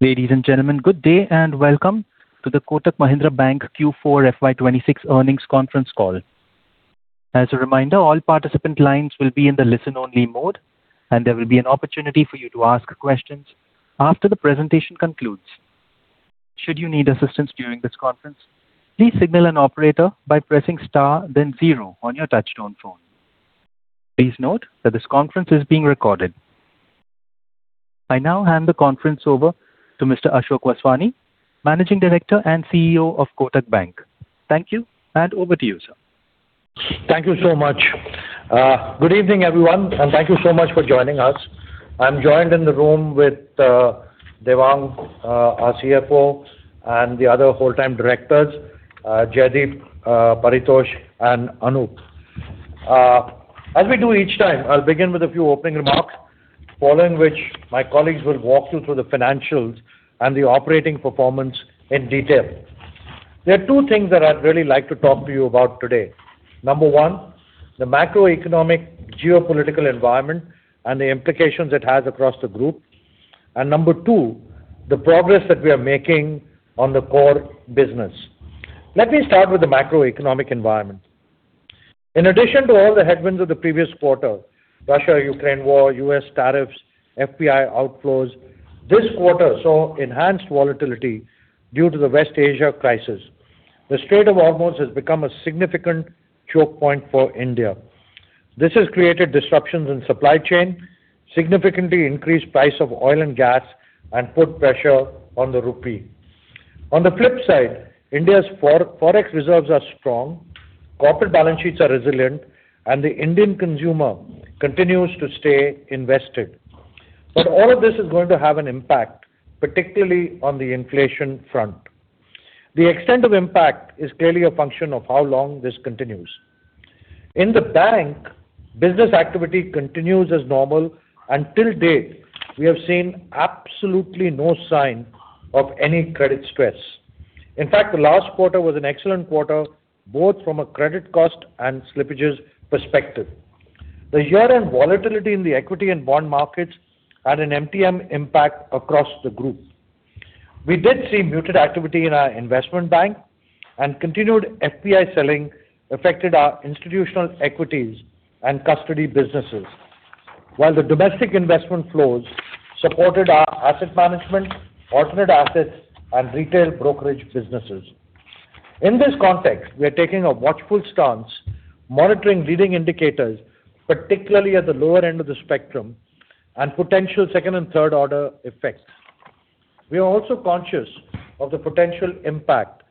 Ladies and gentlemen, good day and welcome to the Kotak Mahindra Bank Q4 FY 2026 earnings conference call. I now hand the conference over to Mr. Ashok Vaswani, Managing Director and Chief Executive Officer of Kotak Bank. Thank you, and over to you, Sir. Thank you so much. Good evening, everyone, and thank you so much for joining us. I'm joined in the room with Devang, our Chief Financial Officer and the other Whole-time Directors, Jaideep, Paritosh, and Anup. As we do each time, I'll begin with a few opening remarks, following which my colleagues will walk you through the financials and the operating performance in detail. There are two things that I'd really like to talk to you about today. Number one, the macroeconomic geopolitical environment and the implications it has across the group. Number two, the progress that we are making on the core business. Let me start with the macroeconomic environment. In addition to all the headwinds of the previous quarter, Russia-Ukraine war, U.S. tariffs, FPI outflows, this quarter saw enhanced volatility due to the West Asia crisis. The Strait of Hormuz has become a significant choke point for India. This has created disruptions in supply chain, significantly increased price of oil and gas and put pressure on the rupee. On the flip side, India's forex reserves are strong, corporate balance sheets are resilient, and the Indian consumer continues to stay invested. All of this is going to have an impact, particularly on the inflation front. The extent of impact is clearly a function of how long this continues. In the bank, business activity continues as normal, and till date, we have seen absolutely no sign of any credit stress. In fact, the last quarter was an excellent quarter, both from a credit cost and slippages perspective. The year-end volatility in the equity and bond markets had an MTM impact across the group. We did see muted activity in our investment bank and continued FPI selling affected our institutional equities and custody businesses. The domestic investment flows supported our asset management, alternate assets and retail brokerage businesses. In this context, we are taking a watchful stance, monitoring leading indicators, particularly at the lower end of the spectrum and potential second and third order effects. We are also conscious of the potential impact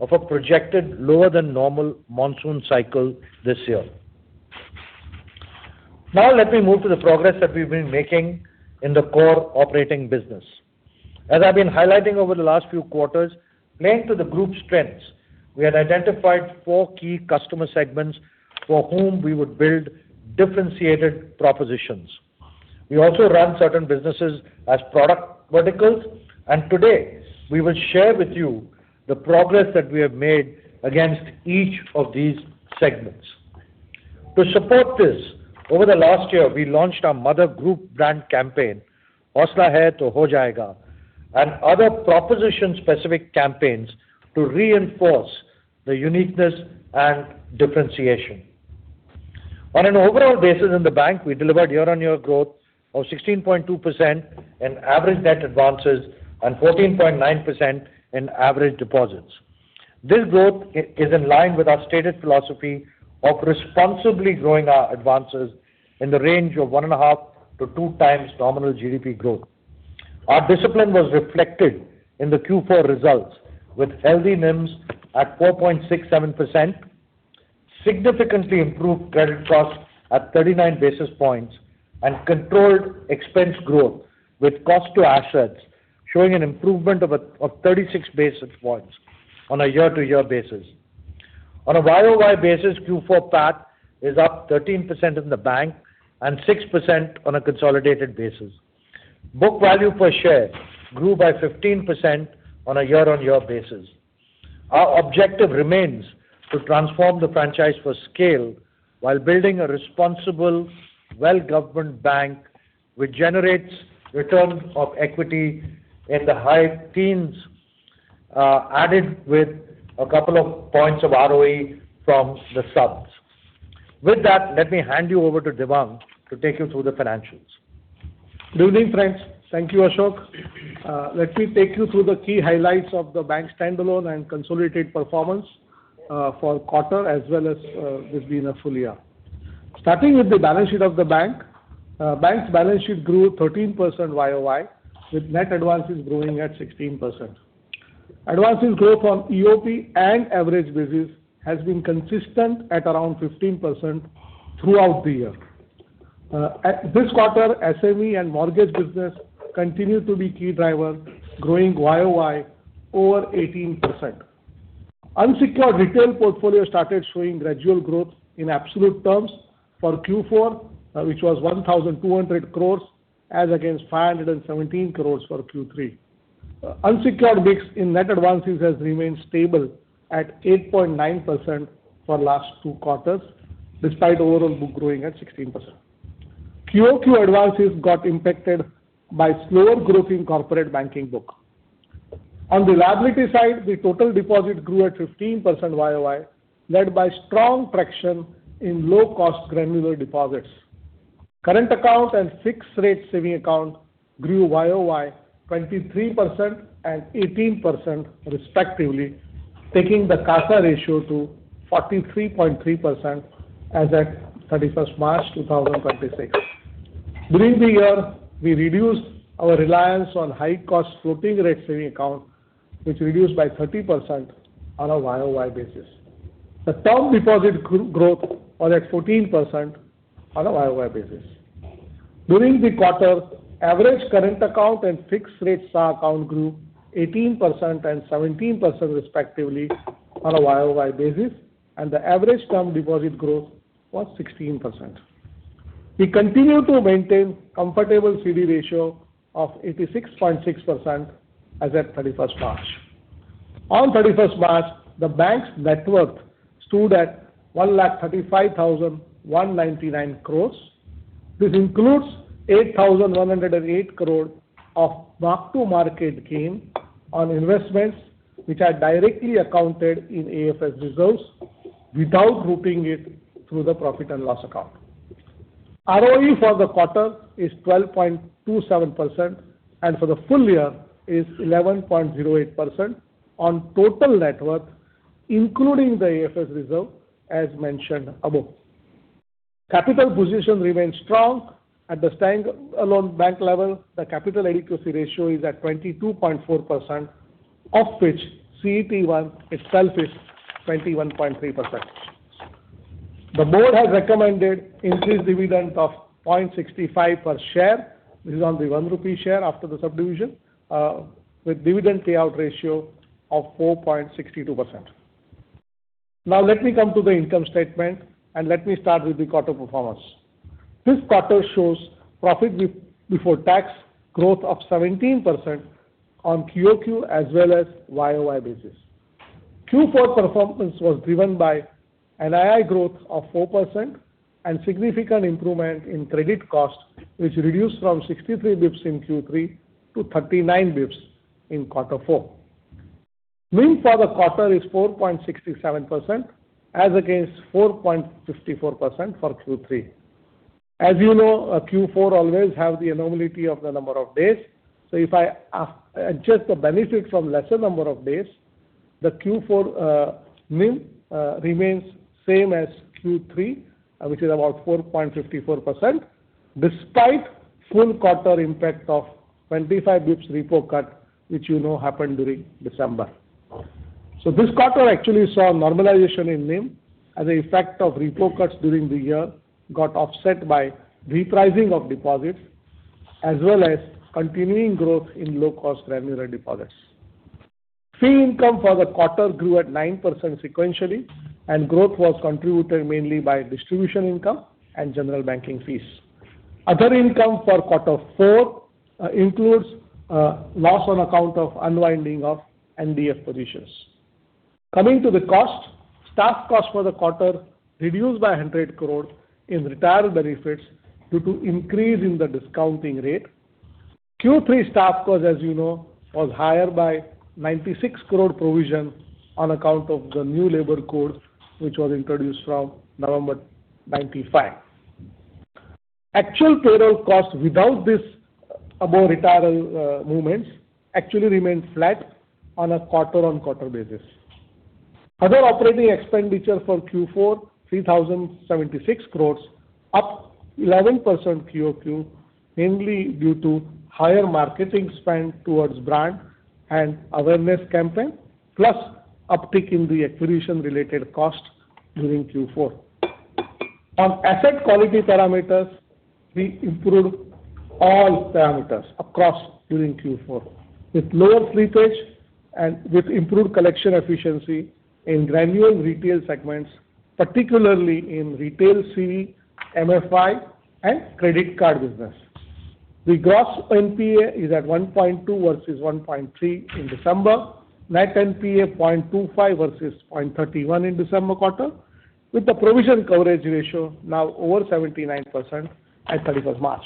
of a projected lower than normal monsoon cycle this year. Let me move to the progress that we've been making in the core operating business. As I've been highlighting over the last few quarters, playing to the group's strengths, we had identified four key customer segments for whom we would build differentiated propositions. We also run certain businesses as product verticals, and today we will share with you the progress that we have made against each of these segments. To support this, over the last year, we launched our mother group brand campaign, "Hausla Hai Toh Ho Jayega", and other proposition-specific campaigns to reinforce the uniqueness and differentiation. On an overall basis in the bank, we delivered year-on-year growth of 16.2% in average net advances and 14.9% in average deposits. This growth is in line with our stated philosophy of responsibly growing our advances in the range of 1.5x-2x nominal GDP growth. Our discipline was reflected in the Q4 results with healthy NIMs at 4.67%, significantly improved credit costs at 39 basis points and controlled expense growth, with cost to assets showing an improvement of 36 basis points on a year-to-year basis. On a YoY basis, Q4 PAT is up 13% in the bank and 6% on a consolidated basis. Book value per share grew by 15% on a year-over-year basis. Our objective remains to transform the franchise for scale while building a responsible, well-governed bank which generates returns of equity in the high teens, added with a couple of points of ROE from the subs. With that, let me hand you over to Devang to take you through the financials. Good evening, friends. Thank you, Ashok. Let me take you through the key highlights of the bank's standalone and consolidated performance for quarter as well as this being a full year. Starting with the balance sheet of the bank. Bank's balance sheet grew 13% YoY, with net advances growing at 16%. Advances growth on EOP and average basis has been consistent at around 15% throughout the year. At this quarter, SME and mortgage business continue to be key drivers growing YoY over 18%. Unsecured retail portfolio started showing gradual growth in absolute terms for Q4, which was 1,200 crores as against 517 crores for Q3. Unsecured mix in net advances has remained stable at 8.9% for last two quarters, despite overall book growing at 16%. QoQ advances got impacted by slower growth in corporate banking book. On the liability side, the total deposit grew at 15% YoY, led by strong traction in low-cost granular deposits. Current account and fixed rate savings account grew YoY 23% and 18% respectively, taking the CASA ratio to 43.3% as at 31st March 2026. During the year, we reduced our reliance on high-cost floating rate savings account, which reduced by 30% on a YoY basis. The term deposit growth was at 14% on a YoY basis. During the quarter, average current account and fixed rate SA account grew 18% and 17% respectively on a YoY basis, and the average term deposit growth was 16%. We continue to maintain comfortable CD ratio of 86.6% as at 31st March. On 31st March, the bank's net worth stood at 1,35,199 crore. This includes 8,108 crore of mark-to-market gain on investments which are directly accounted in AFS reserves without routing it through the profit and loss account. ROE for the quarter is 12.27%, and for the full year is 11.08% on total net worth, including the AFS reserve, as mentioned above. Capital position remains strong. At the stand-alone bank level, the capital adequacy ratio is at 22.4%, of which CET1 itself is 21.3%. The board has recommended increased dividend of 0.65 per share. This is on the 1 rupee share after the subdivision, with dividend payout ratio of 4.62%. Let me come to the income statement, and let me start with the quarter performance. This quarter shows profit before tax growth of 17% on QoQ as well as YoY basis. Q4 performance was driven by NII growth of 4% and significant improvement in credit cost, which reduced from 63 basis points in Q3 to 39 basis points in Q4. NIM for the quarter is 4.67% as against 4.54% for Q3. As you know, Q4 always have the anomaly of the number of days, so if I adjust the benefit from lesser number of days, the Q4 NIM remains same as Q3, which is about 4.54%, despite full quarter impact of 25 basis points repo cut, which you know happened during December. This quarter actually saw normalization in NIM as the effect of repo cuts during the year got offset by repricing of deposits as well as continuing growth in low-cost granular deposits. Fee income for the quarter grew at 9% sequentially, and growth was contributed mainly by distribution income and general banking fees. Other income for Q4 includes loss on account of unwinding of NDF positions. Coming to the cost, staff cost for the quarter reduced by 100 crore in retirement benefits due to increase in the discounting rate. Q3 staff cost, as you know, was higher by 96 crore provision on account of the new labor code, which was introduced from November 2025. Actual payroll cost without this above retirement movements actually remained flat on a quarter-on-quarter basis. Other operating expenditure for Q4, 3,076 crore, up 11% QoQ, mainly due to higher marketing spend towards brand and awareness campaign, plus uptick in the acquisition-related cost during Q4. On asset quality parameters, we improved all parameters across during Q4, with lower slippage and with improved collection efficiency in granular retail segments, particularly in retail CV, MFI, and credit card business. The gross NPA is at 1.2% versus 1.3% in December. Net NPA 0.25 versus 0.31 in December quarter, with the provision coverage ratio now over 79% at 31st March.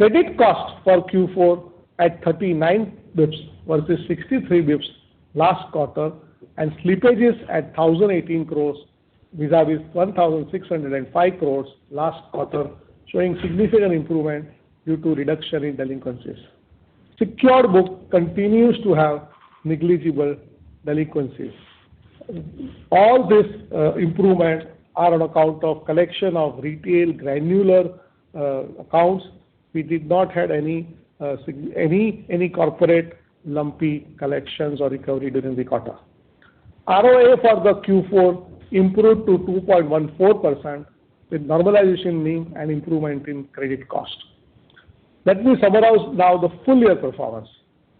Credit cost for Q4 at 39 basis points versus 63 basis points last quarter and slippages at 1,018 crores vis-a-vis 1,605 crores last quarter, showing significant improvement due to reduction in delinquencies. Secured book continues to have negligible delinquencies. All this improvement are on account of collection of retail granular accounts. We did not have any corporate lumpy collections or recovery during the quarter. ROA for the Q4 improved to 2.14% with normalization NIM and improvement in credit cost. Let me summarize now the full year performance.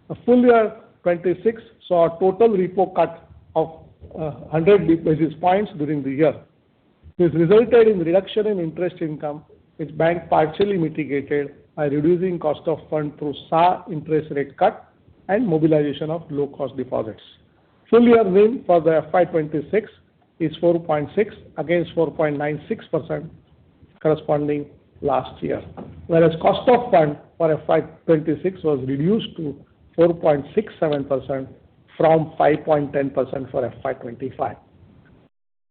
The full year 2026 saw a total repo cut of 100 basis points during the year. This resulted in reduction in interest income, which bank partially mitigated by reducing cost of fund through SA interest rate cut and mobilization of low-cost deposits. Full year NIM for the FY 2026 is 4.6% against 4.96% corresponding last year. Cost of fund for FY 2026 was reduced to 4.67% from 5.10% for FY 2025.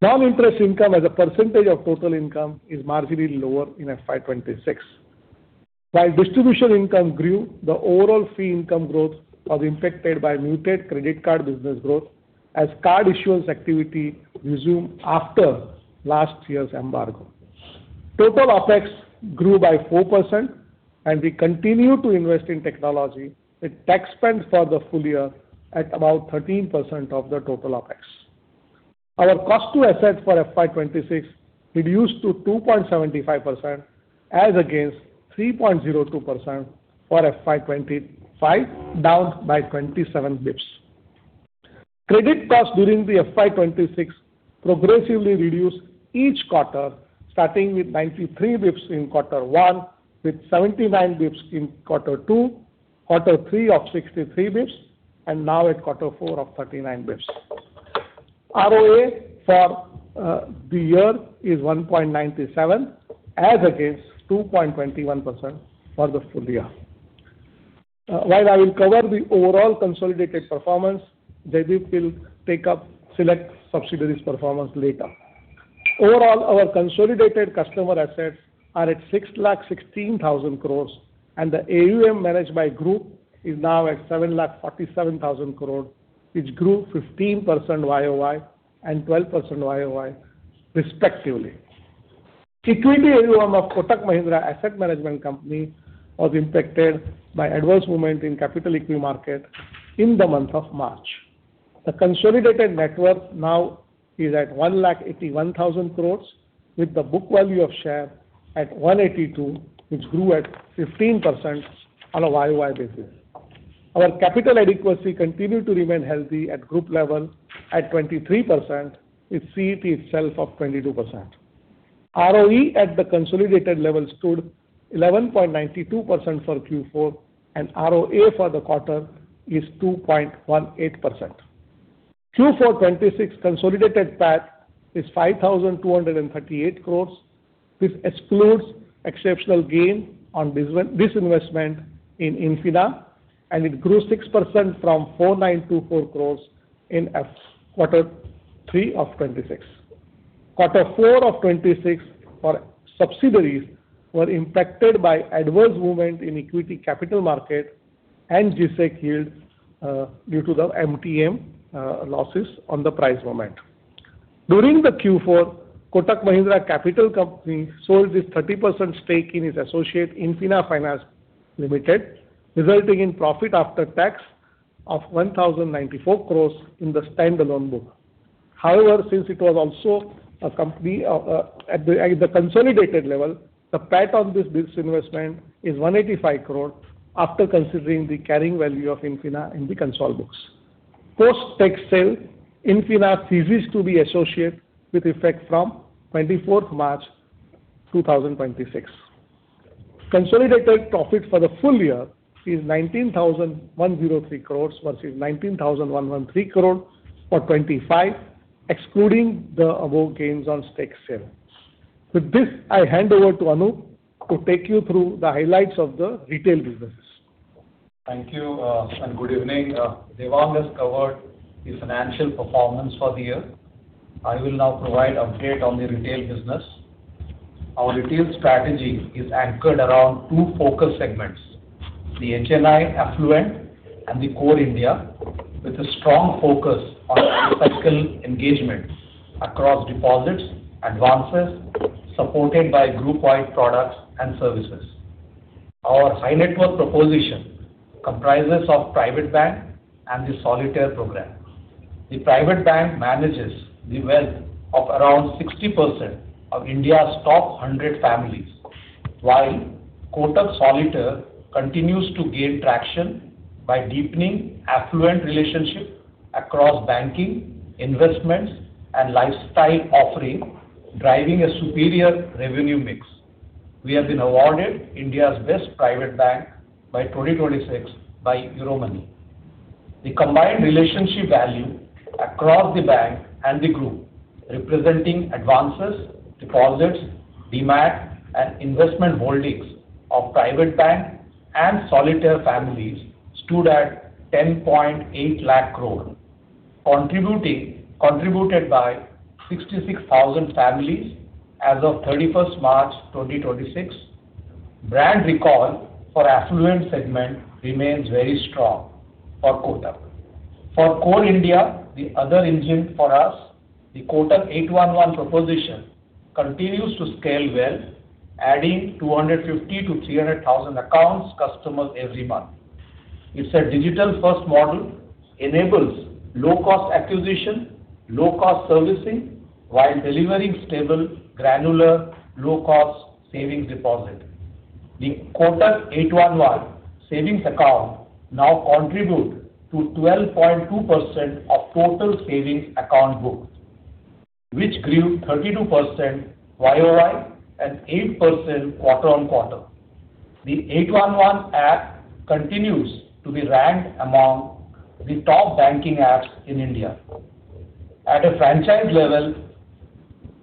Non-interest income as a percentage of total income is marginally lower in FY 2026. While distribution income grew, the overall fee income growth was impacted by muted credit card business growth as card issuance activity resumed after last year's embargo. Total OpEx grew by 4% and we continue to invest in technology with tech spend for the full year at about 13% of the total OpEx. Our cost to asset for FY 2026 reduced to 2.75% as against 3.02% for FY 2025, down by 27 basis points. Credit costs during the FY 2026 progressively reduced each quarter, starting with 93 basis points in quarter one, with 79 basis points in quarter two, quarter three of 63 basis points, and now at quarter four of 39 basis points. ROA for the year is 1.97 as against 2.21% for the full year. While I will cover the overall consolidated performance, Jaideep will take up select subsidiaries performance later. Overall, our consolidated customer assets are at 6 lakh 16,000 crore, and the AUM managed by group is now at 7 lakh 47,000 crore, which grew 15% YoY and 12% YoY respectively. Equity AUM of Kotak Mahindra Asset Management Company was impacted by adverse movement in capital equity market in the month of March. The consolidated net worth now is at 181,000 crores with the book value of share at 182, which grew at 15% on a YoY basis. Our capital adequacy continued to remain healthy at group level at 23%, with CET itself up 22%. ROE at the consolidated level stood 11.92% for Q4. ROA for the quarter is 2.18%. Q4 2026 consolidated PAT is 5,238 crores, which excludes exceptional gain on disinvestment in Infina. It grew 6% from 4,924 crores in Q3 2026. Quarter four of 2026 for subsidiaries were impacted by adverse movement in equity capital market and G-Sec yields due to the MTM losses on the price movement. During the Q4, Kotak Mahindra Capital Company sold its 30% stake in its associate, Infina Finance Limited, resulting in profit after tax of 1,094 crore in the standalone book. However, since it was also a company of, at the consolidated level, the PAT on this disinvestment is 185 crore after considering the carrying value of Infina in the consolidated books. Post-stake sale, Infina ceases to be associate with effect from 24th March, 2026. Consolidated profit for the full year is 19,103 crore versus 19,113 crore for 2025, excluding the above gains on stake sale. With this, I hand over to Anup to take you through the highlights of the retail businesses. Thank you, and good evening. Devang has covered the financial performance for the year. I will now provide update on the retail business. Our retail strategy is anchored around two focus segments: the HNI affluent and the core India, with a strong focus on lifecycle engagement across deposits, advances, supported by group wide products and services. Our high net worth proposition comprises of Kotak Private Banking and the Solitaire program. Kotak Private Banking manages the wealth of around 60% of India's top 100 families, while Kotak Solitaire continues to gain traction by deepening affluent relationship across banking, investments and lifestyle offering, driving a superior revenue mix. We have been awarded India's Best Private Bank by 2026 by Euromoney. The combined relationship value across the bank and the group, representing advances, deposits, Demat, and investment holdings of private bank and Solitaire families stood at 10.8 lakh crore, contributed by 66,000 families as of 31st March 2026. Brand recall for affluent segment remains very strong for Kotak. For core India, the other engine for us, the Kotak 811 proposition continues to scale well, adding 250,000-300,000 accounts customers every month. It's a digital first model, enables low cost acquisition, low cost servicing, while delivering stable, granular, low cost savings deposit. The Kotak 811 savings account now contribute to 12.2% of total savings account book. Which grew 32% YoY and 8% quarter-on-quarter. The 811 app continues to be ranked among the top banking apps in India. At a franchise level,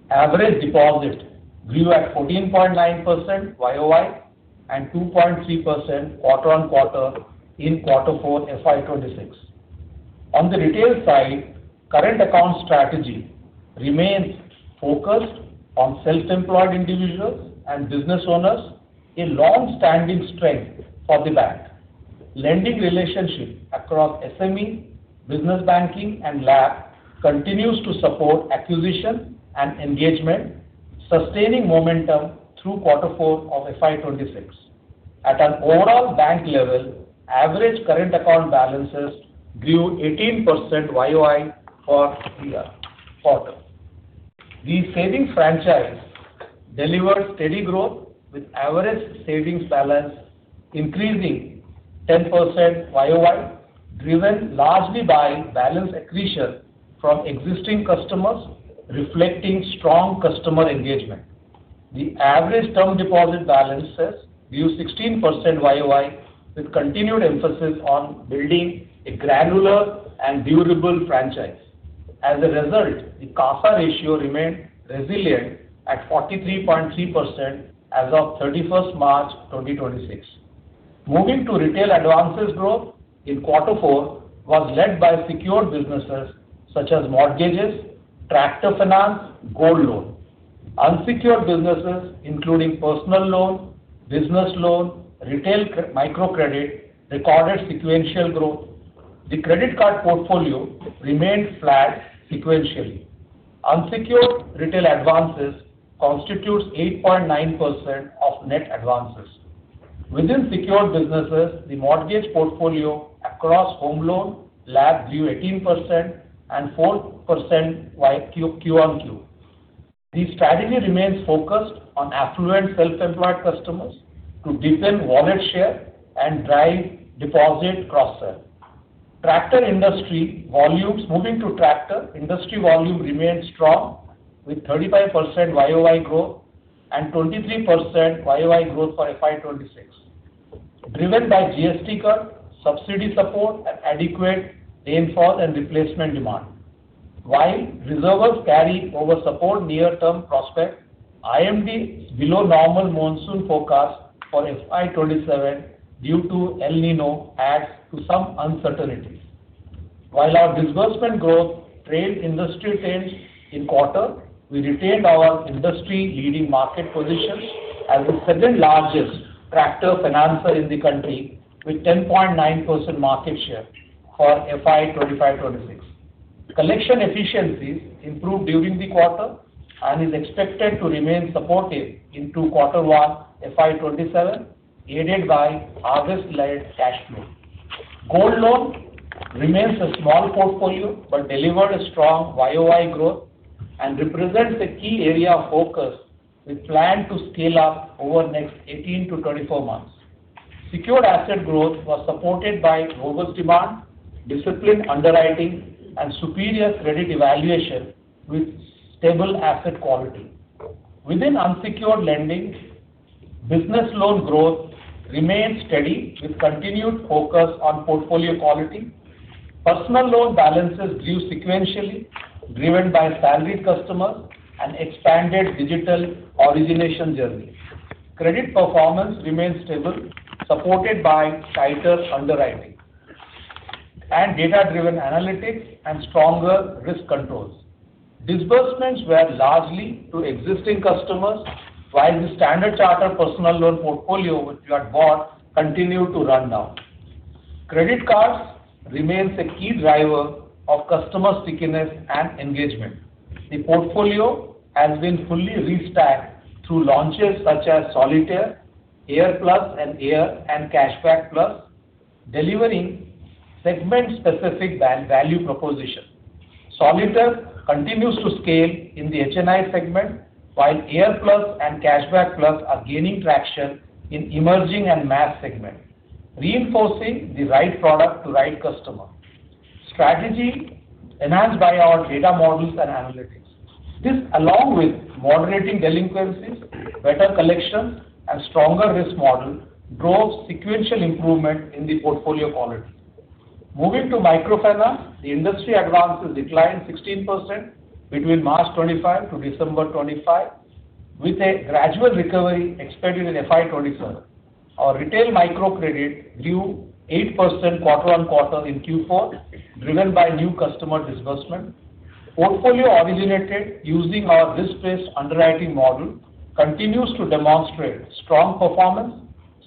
average deposit grew at 14.9% YoY and 2.3% quarter-on-quarter in quarter four FY 2026. On the retail side, current account strategy remains focused on self-employed individuals and business owners, a long-standing strength for the bank. Lending relationship across SME, business banking and LAB continues to support acquisition and engagement, sustaining momentum through Q4 of FY 2026. At an overall bank level, average current account balances grew 18% YoY for the quarter. The savings franchise delivered steady growth with average savings balance increasing 10% YoY, driven largely by balance accretion from existing customers, reflecting strong customer engagement. The average term deposit balances grew 16% YoY with continued emphasis on building a granular and durable franchise. As a result, the CASA ratio remained resilient at 43.3% as of 31st March 2026. Moving to retail advances growth in quarter four was led by secured businesses such as mortgages, tractor finance, gold loan. Unsecured businesses including personal loan, business loan, retail microcredit recorded sequential growth. The credit card portfolio remained flat sequentially. Unsecured retail advances constitutes 8.9% of net advances. Within secured businesses, the mortgage portfolio across home loan LAB grew 18% and 4% QoQ. The strategy remains focused on affluent self-employed customers to defend wallet share and drive deposit cross-sell. Moving to tractor, industry volume remained strong with 35% YoY growth and 23% YoY growth for FY 2026, driven by GST cut, subsidy support and adequate rainfall and replacement demand. While reservoirs carry over support near term prospect, IMD's below normal monsoon forecast for FY 2027 due to El Niño adds to some uncertainties. While our disbursement growth trailed industry trends in quarter, we retained our industry-leading market positions as the second largest tractor financer in the country with 10.9% market share for FY 2025-2026. Collection efficiencies improved during the quarter and is expected to remain supportive into quarter one FY 2027, aided by August-led cash flow. Gold loan remains a small portfolio, but delivered a strong YoY growth and represents a key area of focus with plan to scale up over next 18-24 months. Secured asset growth was supported by robust demand, disciplined underwriting and superior credit evaluation with stable asset quality. Within unsecured lending, business loan growth remained steady with continued focus on portfolio quality. Personal loan balances grew sequentially, driven by salaried customers and expanded digital origination journey. Credit performance remained stable, supported by tighter underwriting and data-driven analytics and stronger risk controls. Disbursements were largely to existing customers, while the Standard Chartered personal loan portfolio, which we had bought, continued to run down. Credit cards remains a key driver of customer stickiness and engagement. The portfolio has been fully restacked through launches such as Solitaire, Air+ and Air and Cashback+, delivering segment specific value proposition. Solitaire continues to scale in the HNI segment, while Air+ and Cashback+ are gaining traction in emerging and mass segment, reinforcing the right product to right customer. Strategy enhanced by our data models and analytics. This along with moderating delinquencies, better collections and stronger risk model drove sequential improvement in the portfolio quality. Moving to microfinance, the industry advances declined 16% between March 2025 to December 2025, with a gradual recovery expected in FY 2027. Our retail microcredit grew 8% quarter-on-quarter in Q4, driven by new customer disbursement. Portfolio originated using our risk-based underwriting model continues to demonstrate strong performance,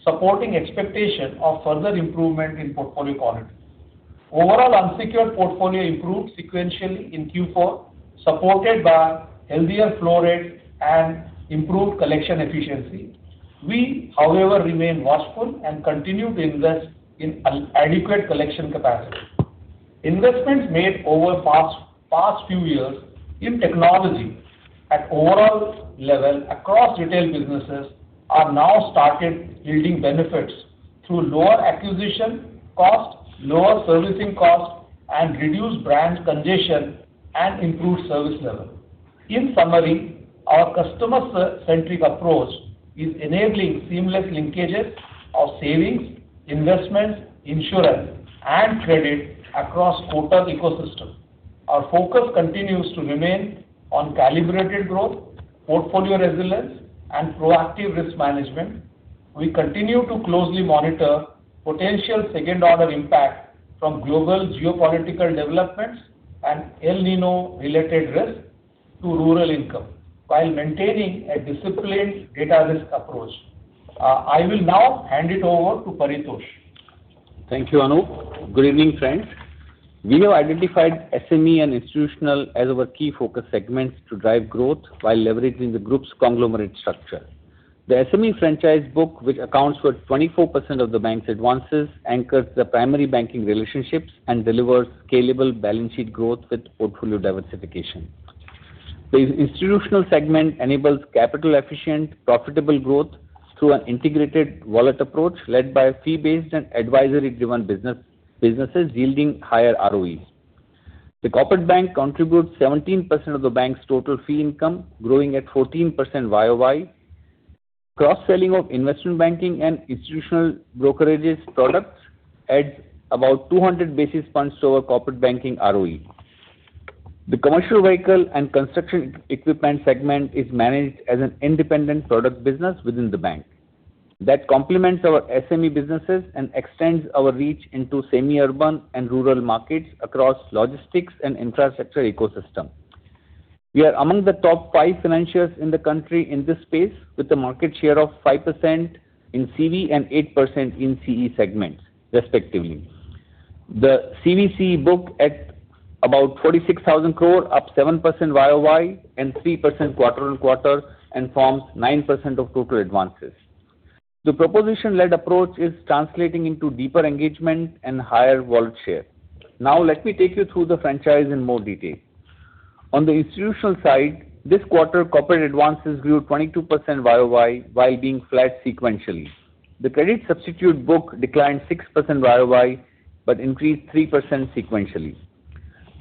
supporting expectation of further improvement in portfolio quality. Overall unsecured portfolio improved sequentially in Q4, supported by healthier flow rates and improved collection efficiency. We, however, remain watchful and continue to invest in adequate collection capacity. Investments made over past few years in technology at overall level across retail businesses are now started yielding benefits through lower acquisition costs, lower servicing costs, and reduced branch congestion and improved service level. In summary, our customer centric approach is enabling seamless linkages of savings, investments, insurance, and credit across total ecosystem. Our focus continues to remain on calibrated growth, portfolio resilience, and proactive risk management. We continue to closely monitor potential second order impact from global geopolitical developments and El Niño-related risk to rural income while maintaining a disciplined data risk approach. I will now hand it over to Paritosh. Thank you, Anup. Good evening, friends. We have identified SME and institutional as our key focus segments to drive growth while leveraging the group's conglomerate structure. The SME franchise book, which accounts for 24% of the bank's advances, anchors the primary banking relationships and delivers scalable balance sheet growth with portfolio diversification. The institutional segment enables capital-efficient, profitable growth through an integrated wallet approach led by fee-based and advisory-driven business, businesses yielding higher ROEs. The corporate bank contributes 17% of the bank's total fee income, growing at 14% YoY. Cross-selling of investment banking and institutional brokerages products adds about 200 basis points to our corporate banking ROE. The commercial vehicle and construction equipment segment is managed as an independent product business within the bank that complements our SME businesses and extends our reach into semi-urban and rural markets across logistics and infrastructure ecosystem. We are among the top five financiers in the country in this space, with a market share of 5% in CV and 8% in CE segments, respectively. The CVC book at about 46,000 crore, up 7% YoY and 3% quarter-on-quarter, and forms 9% of total advances. The proposition-led approach is translating into deeper engagement and higher wallet share. Let me take you through the franchise in more detail. On the institutional side, this quarter corporate advances grew 22% YoY while being flat sequentially. The credit substitute book declined 6% YoY but increased 3% sequentially.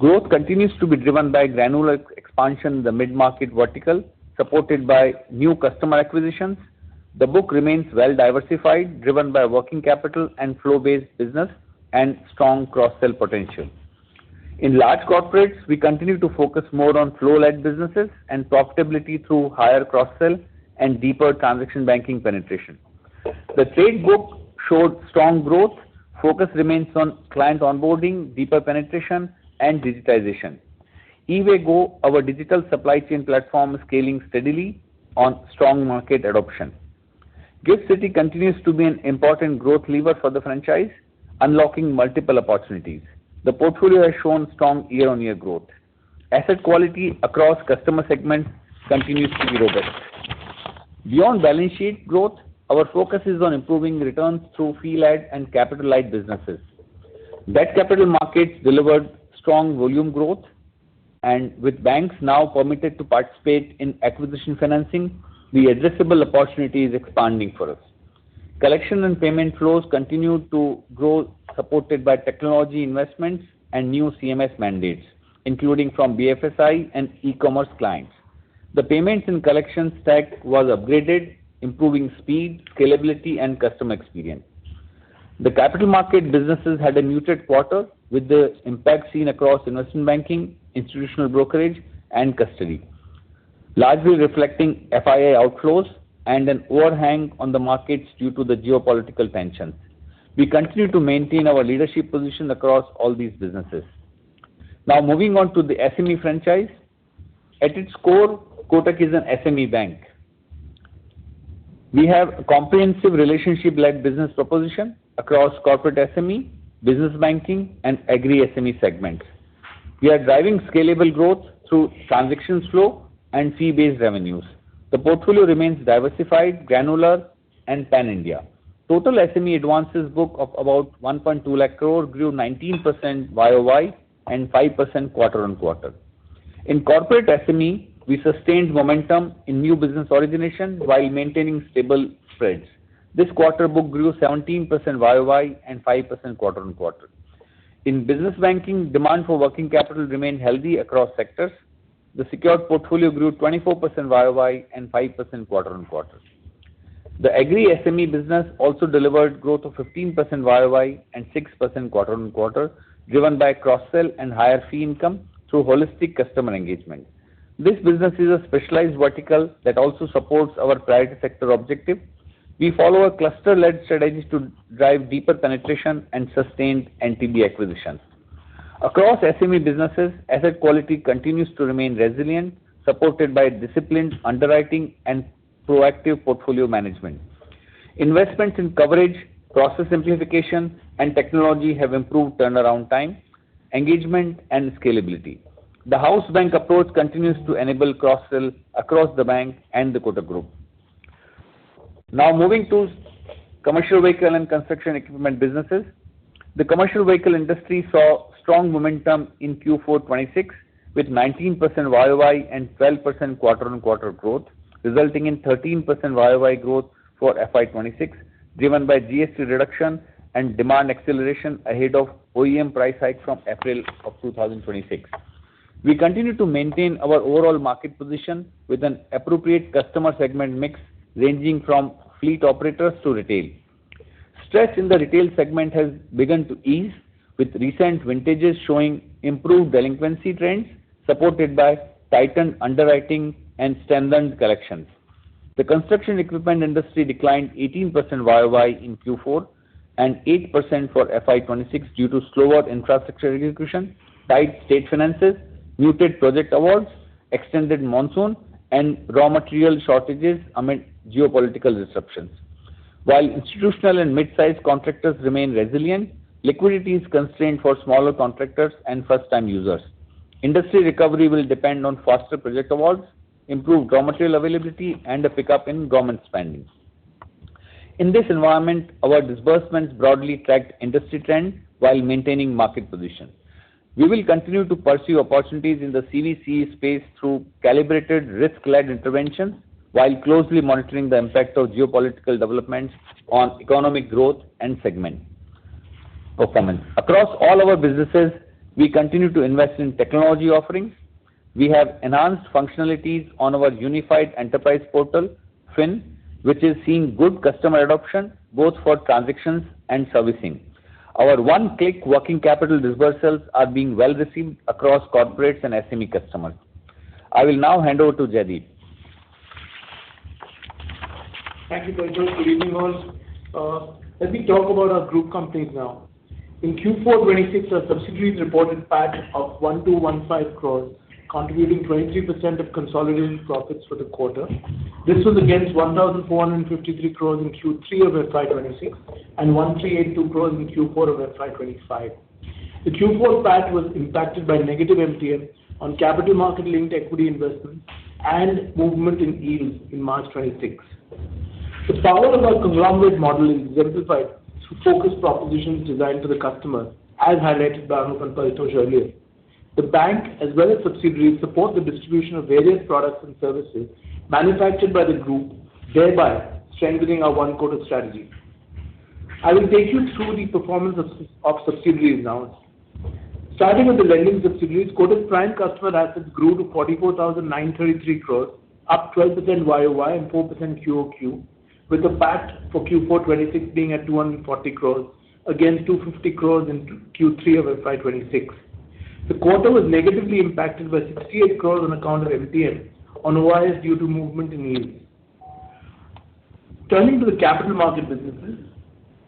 Growth continues to be driven by granular expansion in the mid-market vertical, supported by new customer acquisitions. The book remains well-diversified, driven by working capital and flow-based business and strong cross-sell potential. In large corporates, we continue to focus more on flow-led businesses and profitability through higher cross-sell and deeper transaction banking penetration. The trade book showed strong growth. Focus remains on client onboarding, deeper penetration and digitization. E-Way Go, our digital supply chain platform, is scaling steadily on strong market adoption. Gift City continues to be an important growth lever for the franchise, unlocking multiple opportunities. The portfolio has shown strong year-on-year growth. Asset quality across customer segments continues to be robust. Beyond balance sheet growth, our focus is on improving returns through fee-led and capital-light businesses. Debt capital markets delivered strong volume growth, and with banks now permitted to participate in acquisition financing, the addressable opportunity is expanding for us. Collection and payment flows continue to grow, supported by technology investments and new CMS mandates, including from BFSI and e-commerce clients. The payments and collections stack was upgraded, improving speed, scalability, and customer experience. The capital market businesses had a muted quarter, with the impact seen across investment banking, institutional brokerage, and custody, largely reflecting FPI outflows and an overhang on the markets due to the geopolitical tension. We continue to maintain our leadership position across all these businesses. Now moving on to the SME franchise. At its core, Kotak is an SME bank. We have a comprehensive relationship-led business proposition across corporate SME, business banking and agri SME segments. We are driving scalable growth through transactions flow and fee-based revenues. The portfolio remains diversified, granular and pan-India. Total SME advances book of about 1.2 lakh crore grew 19% YoY and 5% quarter-on-quarter. In corporate SME, we sustained momentum in new business origination while maintaining stable spreads. This quarter book grew 17% YoY and 5% quarter-on-quarter. In business banking, demand for working capital remained healthy across sectors. The secured portfolio grew 24% YoY and 5% quarter-on-quarter. The agri SME business also delivered growth of 15% YoY and 6% quarter-on-quarter, driven by cross-sell and higher fee income through holistic customer engagement. This business is a specialized vertical that also supports our priority sector objective. We follow a cluster-led strategy to drive deeper penetration and sustained NTB acquisitions. Across SME businesses, asset quality continues to remain resilient, supported by disciplined underwriting and proactive portfolio management. Investments in coverage, process simplification and technology have improved turnaround time, engagement and scalability. The house bank approach continues to enable cross-sell across the bank and the Kotak Group. Moving to commercial vehicle and construction equipment businesses. The commercial vehicle industry saw strong momentum in Q4 2026 with 19% YoY and 12% quarter-on-quarter growth, resulting in 13% YoY growth for FY 2026, driven by GST reduction and demand acceleration ahead of OEM price hike from April of 2026. We continue to maintain our overall market position with an appropriate customer segment mix ranging from fleet operators to retail. Stress in the retail segment has begun to ease with recent vintages showing improved delinquency trends supported by tightened underwriting and strengthened collections. The construction equipment industry declined 18% YoY in Q4 and 8% for FY 2026 due to slower infrastructure execution, tight state finances, muted project awards, extended monsoon, and raw material shortages amid geopolitical disruptions. While institutional and mid-sized contractors remain resilient, liquidity is constrained for smaller contractors and first-time users. Industry recovery will depend on faster project awards, improved raw material availability, and a pickup in government spending. In this environment, our disbursements broadly tracked industry trends while maintaining market position. We will continue to pursue opportunities in the CV/CE space through calibrated risk-led interventions while closely monitoring the impact of geopolitical developments on economic growth and segment performance. Across all our businesses, we continue to invest in technology offerings. We have enhanced functionalities on our unified enterprise portal, FYN, which is seeing good customer adoption both for transactions and servicing. Our one-click working capital disbursements are being well received across corporates and SME customers. I will now hand over to Jaideep. Thank you, Paritosh. Good evening all. Let me talk about our group companies now. In Q4 2026, our subsidiaries reported PAT of 1,215 crores, contributing 23% of consolidated profits for the quarter. This was against 1,453 crores in Q3 of FY 2026 and 1,382 crores in Q4 of FY 2025. The Q4 PAT was impacted by negative MTM on capital market-linked equity investments and movement in yields in March 2026. The power of our conglomerate model is exemplified through focused propositions designed for the customer, as highlighted by Anup and Paritosh earlier. The bank as well as subsidiaries support the distribution of various products and services manufactured by the group, thereby strengthening our One Kotak strategy. I will take you through the performance of subsidiaries now. Starting with the lending subsidiaries, Kotak Prime customer assets grew to 44,933 crores, up 12% YoY and 4% QoQ, with the PAT for Q4 2026 being at 240 crores against 250 crores in Q3 of FY 2026. The quarter was negatively impacted by 68 crores on account of MTM on OIS due to movement in yields. Turning to the capital market businesses.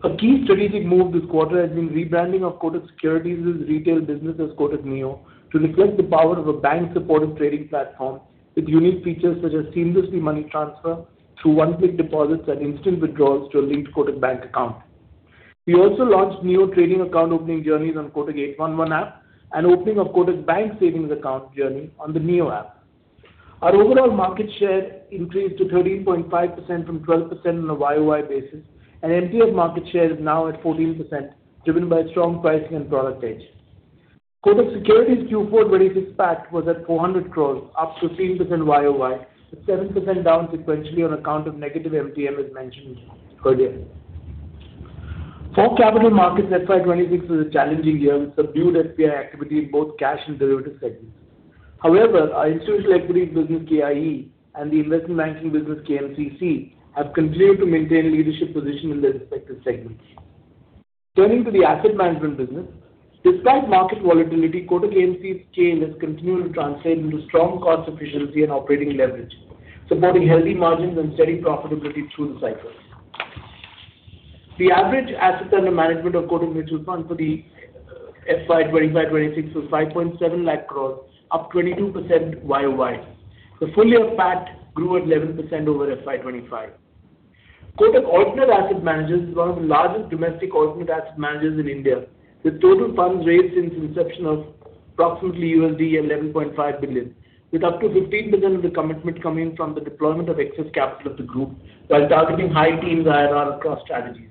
A key strategic move this quarter has been rebranding of Kotak Securities' retail business as Kotak Neo to reflect the power of a bank-supported trading platform with unique features such as seamlessly money transfer through one-click deposits and instant withdrawals to a linked Kotak Bank account. We also launched Neo trading account opening journeys on Kotak 811 app and opening of Kotak Bank savings account journey on the Neo app. Our overall market share increased to 13.5% from 12% on a YoY basis, and MTM market share is now at 14%, driven by strong pricing and product edge. Kotak Securities' Q4 2026 PAT was at 400 crore, up 15% YoY, but 7% down sequentially on account of negative MTM as mentioned earlier. For capital markets, FY 2026 was a challenging year with subdued FPI activity in both cash and derivative segments. However, our institutional equities business KIE and the investment banking business KMCC have continued to maintain leadership position in their respective segments. Turning to the asset management business. Despite market volatility, Kotak AMC's scale has continued to translate into strong cost efficiency and operating leverage, supporting healthy margins and steady profitability through the cycles. The average assets under management of Kotak Mutual Fund for the FY 2025, 2026 was 5.7 lakh crores, up 22% YoY. The full-year PAT grew at 11% over FY 2025. Kotak Alternate Asset Managers is one of the largest domestic alternate asset managers in India, with total funds raised since inception of approximately INR 11.5 billion, with up to 15 billion of the commitment coming from the deployment of excess capital of the group while targeting high teens IRR across strategies.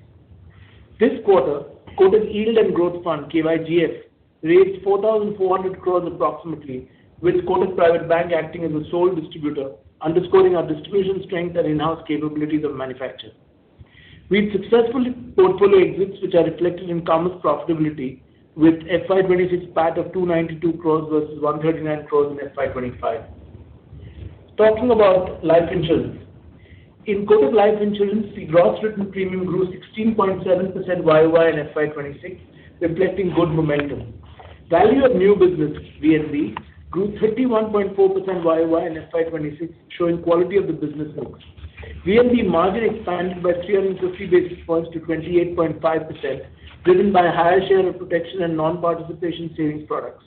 This quarter, Kotak Yield & Growth Fund, KYGF, raised 4,400 crores approximately, with Kotak Private Banking acting as the sole distributor, underscoring our distribution strength and in-house capabilities of manufacture. We had successful portfolio exits, which are reflected in commerce profitability with FY 2026 PAT of 292 crores versus 139 crores in FY 2025. Talking about life insurance. In Kotak Life Insurance, the gross written premium grew 16.7% YoY in FY 2026, reflecting good momentum. Value of new business, VNB, grew 31.4% YoY in FY 2026, showing quality of the business growth. VNB margin expanded by 350 basis points to 28.5%, driven by higher share of protection and non-participation savings products.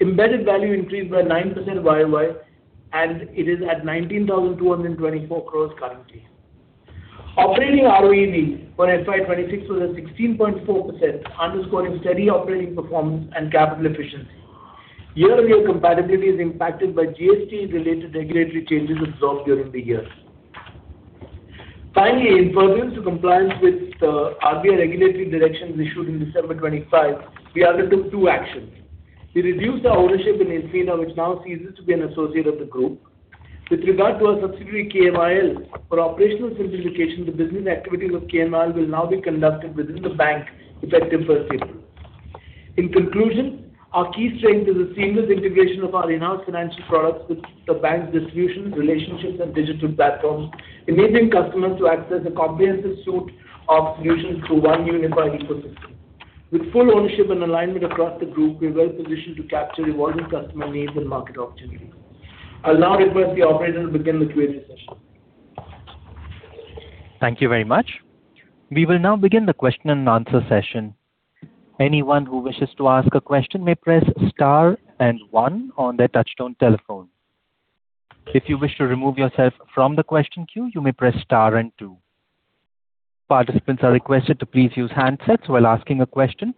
Embedded value increased by 9% YoY, and it is at 19,224 crores currently. Operating ROEV for FY 2026 was at 16.4%, underscoring steady operating performance and capital efficiency. Year-over-year compatibility is impacted by GST-related regulatory changes absorbed during the year. Finally, in pursuant to compliance with the RBI regulatory directions issued in December 2025, we undertook two actions. We reduced our ownership in Infina, which now ceases to be an associate of the group. With regard to our subsidiary KMIL, for operational simplification, the business activities of KMIL will now be conducted within the bank effective 1st April. In conclusion, our key strength is a seamless integration of our in-house financial products with the bank's distribution, relationships and digital platforms, enabling customers to access a comprehensive suite of solutions through one unified ecosystem. With full ownership and alignment across the group, we're well-positioned to capture evolving customer needs and market opportunities. I'll now request the operator to begin the Q&A session. Thank you very much. We will now begin the question and answer session. Anyone who wishes to ask a question may press star and one on their touch-tone telephone. If you wish to remove yourself from the question queue, you may press star and two. Participants are requested to please use handsets while asking a question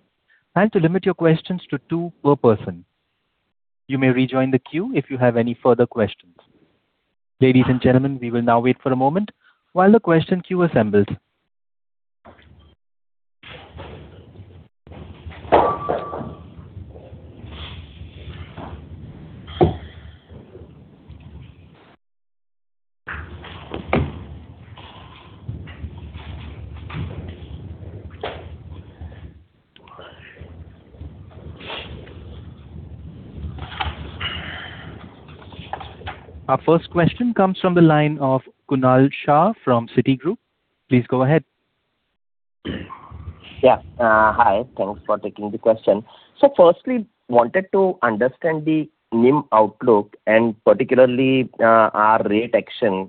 and to limit your questions to two per person. You may rejoin the queue if you have any further questions. Ladies and gentlemen, we will now wait for a moment while the question queue assembles. Our first question comes from the line of Kunal Shah from Citigroup. Please go ahead. Hi. Thanks for taking the question. Firstly, wanted to understand the NIM outlook, and particularly, our rate action.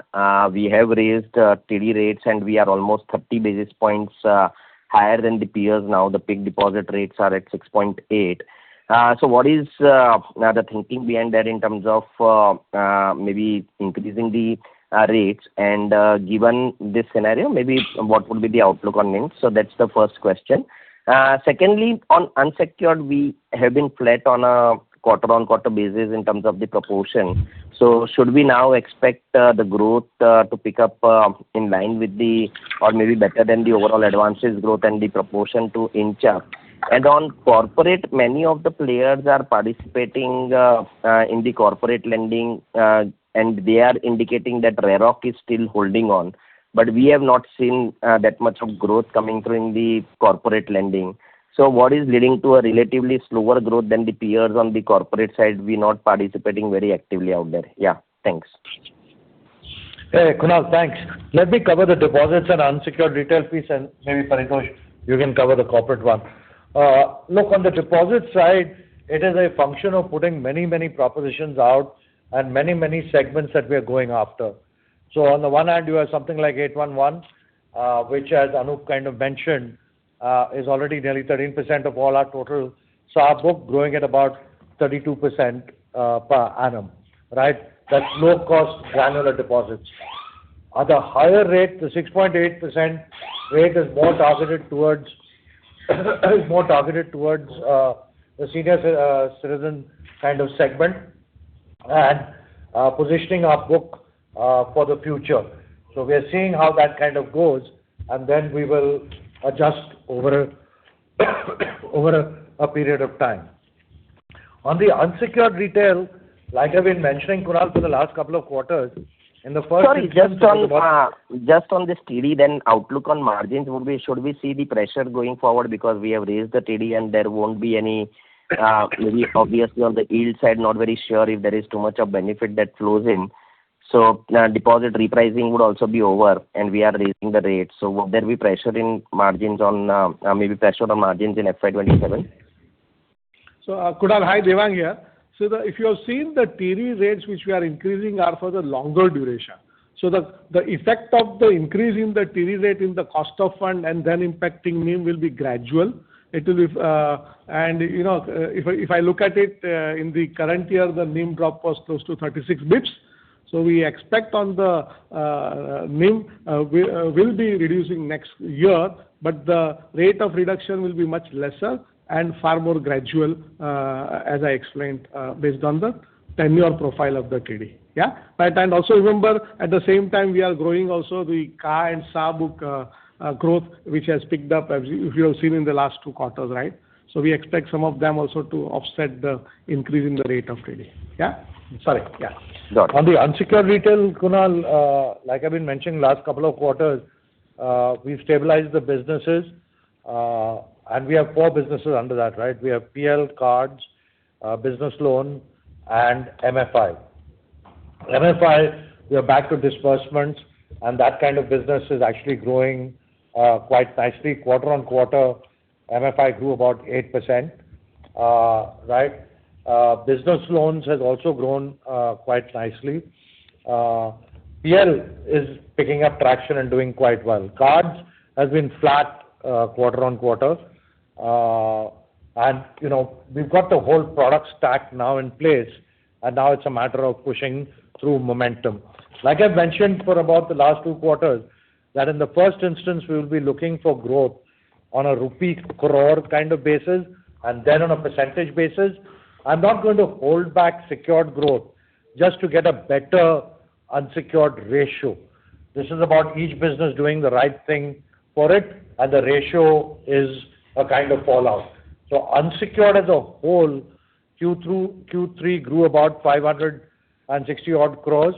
We have raised TD rates, and we are almost 30 basis points higher than the peers now. The peak deposit rates are at 6.8%. What is the thinking behind that in terms of maybe increasing the rates? Given this scenario, maybe what would be the outlook on NIM? That's the first question. Secondly, on unsecured, we have been flat on a quarter-on-quarter basis in terms of the proportion. Should we now expect the growth to pick up in line with the or maybe better than the overall advances growth and the proportion to inch up? On corporate, many of the players are participating in the corporate lending, and they are indicating that RAROC is still holding on. We have not seen that much of growth coming through in the corporate lending. What is leading to a relatively slower growth than the peers on the corporate side? We are not participating very actively out there. Yeah. Thanks. Hey, Kunal, thanks. Let me cover the deposits and unsecured retail piece and maybe, Paritosh, you can cover the corporate one. Look, on the deposit side, it is a function of putting many, many propositions out and many, many segments that we are going after. On the one hand, you have something like 811, which as Anup kind of mentioned, is already nearly 13% of all our total. Our book growing at about 32% per annum, right? That's low-cost granular deposits. At a higher rate, the 6.8% rate is more targeted towards the senior citizen kind of segment and positioning our book for the future. We are seeing how that kind of goes, and then we will adjust over a period of time. On the unsecured retail, like I've been mentioning, Kunal, for the last couple of quarters, in the first instance. Sorry, just on, just on this TD, then outlook on margins, should we see the pressure going forward because we have raised the TD and there won't be any, maybe obviously on the yield side, not very sure if there is too much of benefit that flows in? Deposit repricing would also be over, and we are raising the rates. Would there be pressure in margins on, maybe pressure on margins in FY 2027? Kunal Shah, hi, Devang Gheewalla here. The, if you have seen the TD rates which we are increasing are for the longer duration. The, the effect of the increase in the TD rate in the cost of fund and then impacting NIM will be gradual. It will be, and, you know, if I, if I look at it, in the current year, the NIM drop was close to 36 basis points. We expect on the NIM will be reducing next year, but the rate of reduction will be much lesser and far more gradual, as I explained, based on the tenure profile of the TD. Yeah? Right. Also remember, at the same time we are growing also the CV/CE book growth, which has picked up as you have seen in the last two quarters, right? We expect some of them also to offset the increase in the rate of TD. Yeah? Sorry. Yeah. Got it. On the unsecured retail, Kunal, like I've been mentioning last couple of quarters, we've stabilized the businesses, and we have four businesses under that, right? We have PL, cards, business loan and MFI. MFI, we are back to disbursements and that kind of business is actually growing quite nicely. Quarter-on-quarter, MFI grew about 8%. Right? Business loans has also grown quite nicely. PL is picking up traction and doing quite well. Cards has been flat, quarter-on-quarter. You know, we've got the whole product stack now in place, and now it's a matter of pushing through momentum. Like I've mentioned for about the last two quarters, that in the first instance, we will be looking for growth on an rupee crore kind of basis and then on a percentage basis. I'm not going to hold back secured growth just to get a better unsecured ratio. This is about each business doing the right thing for it, and the ratio is a kind of fallout. Unsecured as a whole, Q2, Q3 grew about 560 odd crore,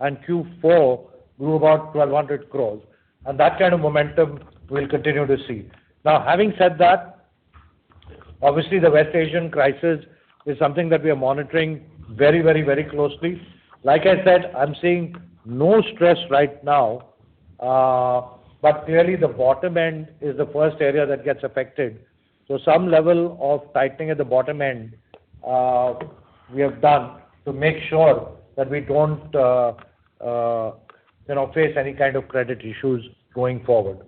and Q4 grew about 1,200 crore. That kind of momentum we'll continue to see. Having said that, obviously the West Asian crisis is something that we are monitoring very, very, very closely. Like I said, I'm seeing no stress right now, but clearly the bottom end is the first area that gets affected. Some level of tightening at the bottom end, we have done to make sure that we don't, you know, face any kind of credit issues going forward.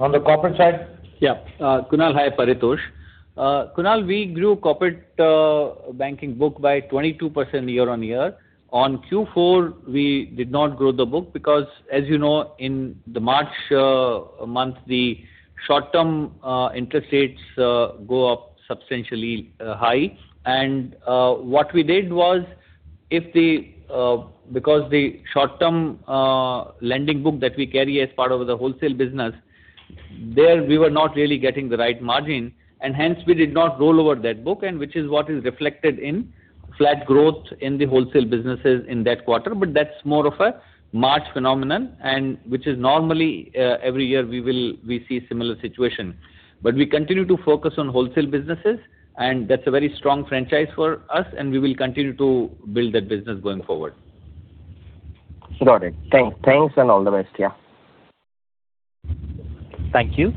On the corporate side? Yeah. Kunal. Hi, Paritosh. Kunal, we grew corporate banking book by 22% year-on-year. On Q4, we did not grow the book because, as you know, in the March month, the short-term interest rates go up substantially high. What we did was because the short-term lending book that we carry as part of the wholesale business, there we were not really getting the right margin, and hence we did not roll over that book, and which is what is reflected in flat growth in the wholesale businesses in that quarter. That's more of a March phenomenon and which is normally, every year we see similar situation. We continue to focus on wholesale businesses, and that's a very strong franchise for us, and we will continue to build that business going forward. Got it. Thanks and all the best. Yeah. Thank you.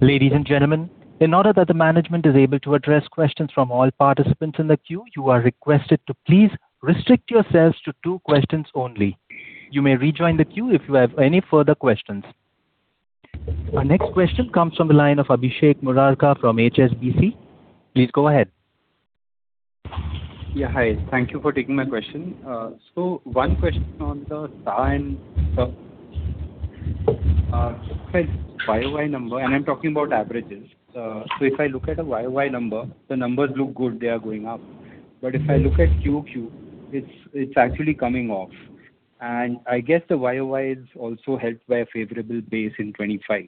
Ladies and gentlemen, in order that the management is able to address questions from all participants in the queue, you are requested to please restrict yourselves to two questions only. You may rejoin the queue if you have any further questions. Our next question comes from the line of Abhishek Murarka from HSBC. Please go ahead. Yeah. Hi. Thank you for taking my question. One question on the time, if I look at YoY number, and I'm talking about averages. If I look at a YoY number, the numbers look good, they are going up. If I look at QoQ, it's actually coming off. I guess the YoY is also helped by a favorable base in 25.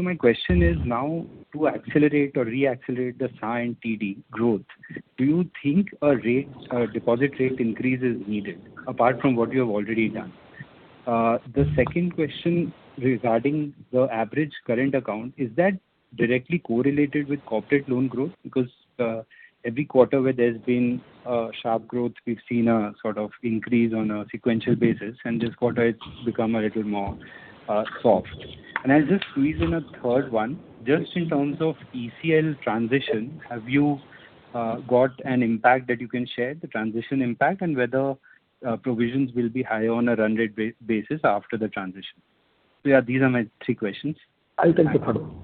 My question is now, to accelerate or re-accelerate the SA and TD growth, do you think a deposit rate increase is needed apart from what you have already done? The second question regarding the average current account, is that directly correlated with corporate loan growth? Every quarter where there's been sharp growth, we've seen a sort of increase on a sequential basis, this quarter it's become a little more soft. I'll just squeeze in a third one. Just in terms of ECL transition, have you got an impact that you can share, the transition impact and whether provisions will be high on a run rate basis after the transition? Yeah, these are my three questions. I'll take the first one.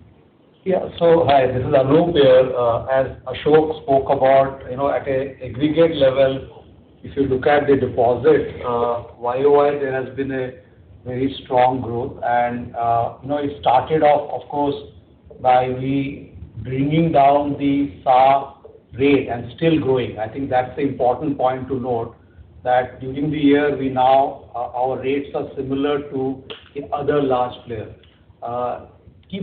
Yeah. Hi, this is Anup here. As Ashok spoke about, you know, at an aggregate level, if you look at the deposit, YoY, there has been a very strong growth. You know, it started off, of course, by we bringing down the SA rate and still growing. I think that's the important point to note, that during the year we now, our rates are similar to the other large players. Keep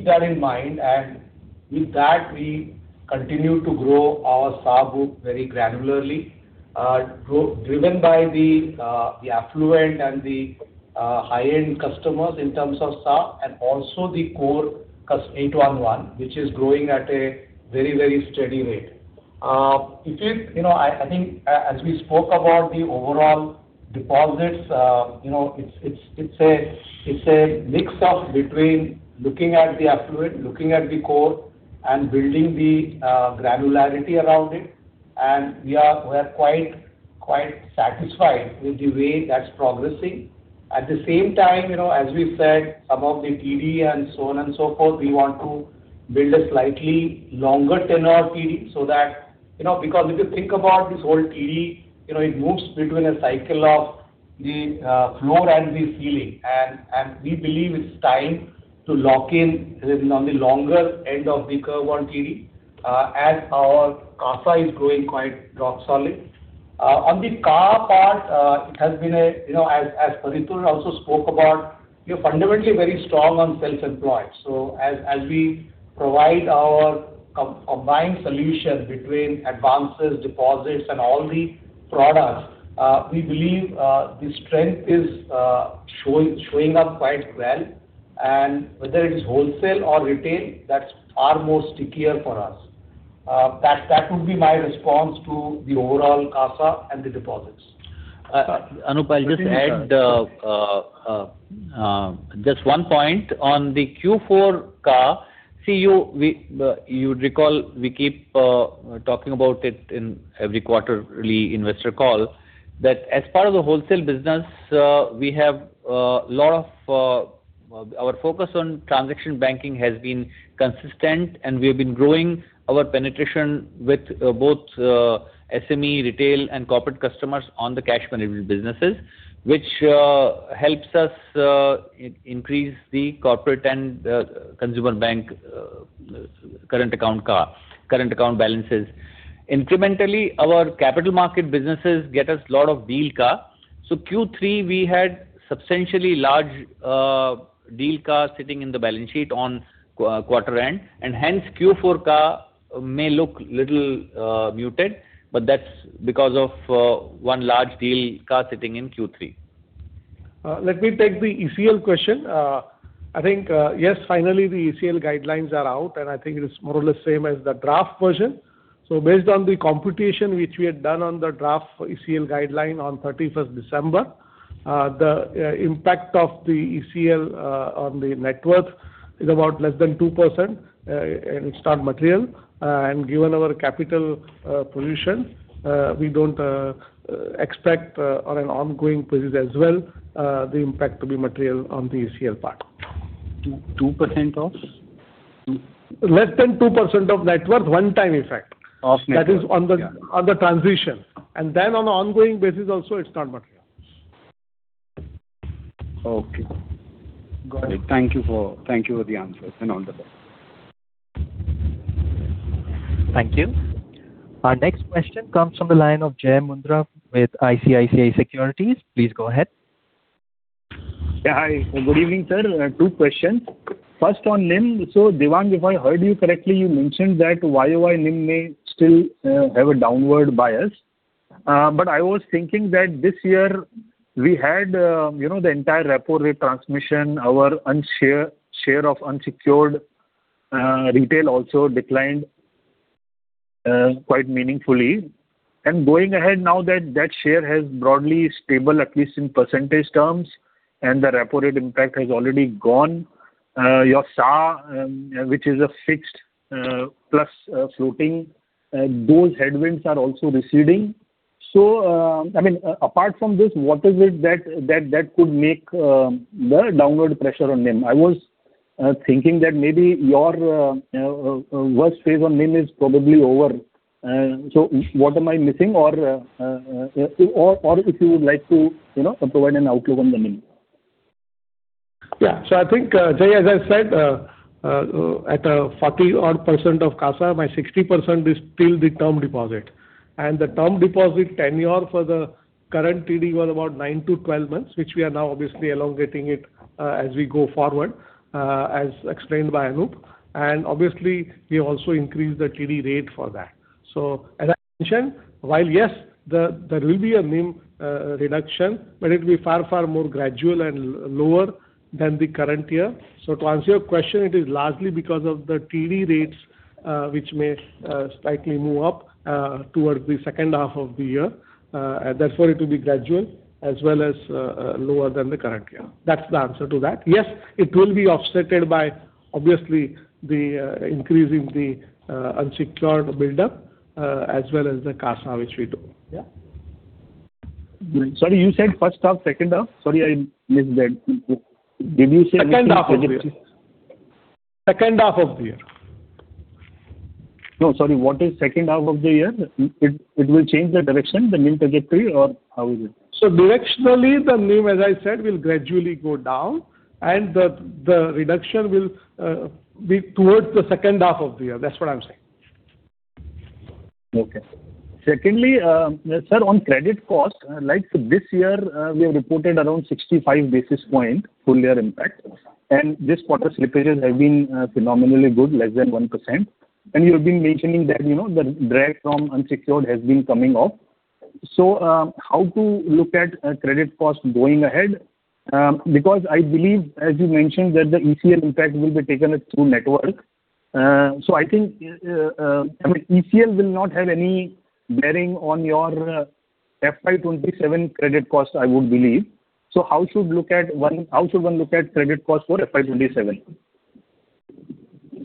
that in mind, and with that we continue to grow our SA book very granularly. Driven by the affluent and the high-end customers in terms of SA and also the core cust 811, which is growing at a very steady rate. It is, you know, I think as we spoke about the overall deposits, you know, it's, it's a, it's a mix of between looking at the affluent, looking at the core and building the granularity around it, and we're quite satisfied with the way that's progressing. At the same time, you know, as we said about the TD and so on and so forth, we want to build a slightly longer tenure TD so that, you know, because if you think about this whole TD, you know, it moves between a cycle of the floor and the ceiling. We believe it's time to lock in, you know, the longer end of the curve on TD, as our CASA is growing quite rock solid. On the CASA part, it has been a, you know, as Paritosh also spoke about, we're fundamentally very strong on self-employed. As we provide our combined solution between advances, deposits and all the products, we believe the strength is showing up quite well. Whether it is wholesale or retail, that's are more stickier for us. That would be my response to the overall CASA and the deposits. Anup, I'll just add just one point on the Q4 CASA. You'd recall we keep talking about it in every quarterly investor call that as part of the wholesale business, we have lot of our focus on transaction banking has been consistent and we've been growing our penetration with both SME, retail and corporate customers on the cash management businesses, which helps us increase the corporate and consumer bank current account ka, current account balances. Incrementally, our capital market businesses get us lot of deal flow. Q3 we had substantially large deal flow sitting in the balance sheet on quarter end, and hence Q4 CASA may look little muted, but that's because of one large deal flow sitting in Q3. Let me take the ECL question. I think, yes, finally the ECL guidelines are out, and I think it is more or less same as the draft version. Based on the computation which we had done on the draft ECL guideline on 31st December, the impact of the ECL on the net worth is about less than 2%. It's not material. Given our capital position, we don't expect on an ongoing basis as well, the impact to be material on the ECL part. Two, 2% of? Less than 2% of net worth, one time effect. Of net worth. Yeah. That is on the, on the transition. On an ongoing basis also it's not material. Okay. Got it. Thank you for the answers. All the best. Thank you. Our next question comes from the line of Jai Mundhra with ICICI Securities. Please go ahead. Yeah, hi. Good evening, Sir. Two questions. First on NIM. Devang, if I heard you correctly, you mentioned that YoY NIM may still have a downward bias. I was thinking that this year we had, you know, the entire repo rate transmission, our share of unsecured retail also declined quite meaningfully. Going ahead now that that share has broadly stable, at least in percentage terms, and the repo rate impact has already gone. Your SA, which is a fixed plus floating, those headwinds are also receding. I mean, apart from this, what is it that could make the downward pressure on NIM? I was thinking that maybe your worst phase on NIM is probably over. What am I missing? If you would like to, you know, provide an outlook on the NIM. Yeah. I think, Jai, as I said, at 40% odd of CASA, my 60% is still the term deposit. The term deposit tenure for the current TD was about 9-12 months, which we are now obviously elongating it as we go forward, as explained by Anup. Obviously we also increased the TD rate for that. As I mentioned, while, yes, there will be a NIM reduction, but it will be far, far more gradual and lower than the current year. To answer your question, it is largely because of the TD rates, which may slightly move up towards the second half of the year. It will be gradual as well as lower than the current year. That's the answer to that. Yes, it will be offsetted by obviously the increase in the unsecured buildup, as well as the CASA which we do. Yeah. Sorry, you said first half, second half? Sorry, I missed that. Did you say? Second half of the year. No, sorry. What is second half of the year? It will change the direction, the NIM trajectory or how is it? Directionally the NIM, as I said, will gradually go down and the reduction will be towards the second half of the year. That's what I'm saying. Okay. Secondly, Sir, on credit cost, like this year, we have reported around 65 basis points full year impact. This quarter slippages have been phenomenally good, less than 1%. You've been mentioning that, you know, the drag from unsecured has been coming off. How to look at credit cost going ahead? Because I believe, as you mentioned, that the ECL impact will be taken through network. I think, I mean, ECL will not have any bearing on your FY 2027 credit cost, I would believe. How should one look at credit cost for FY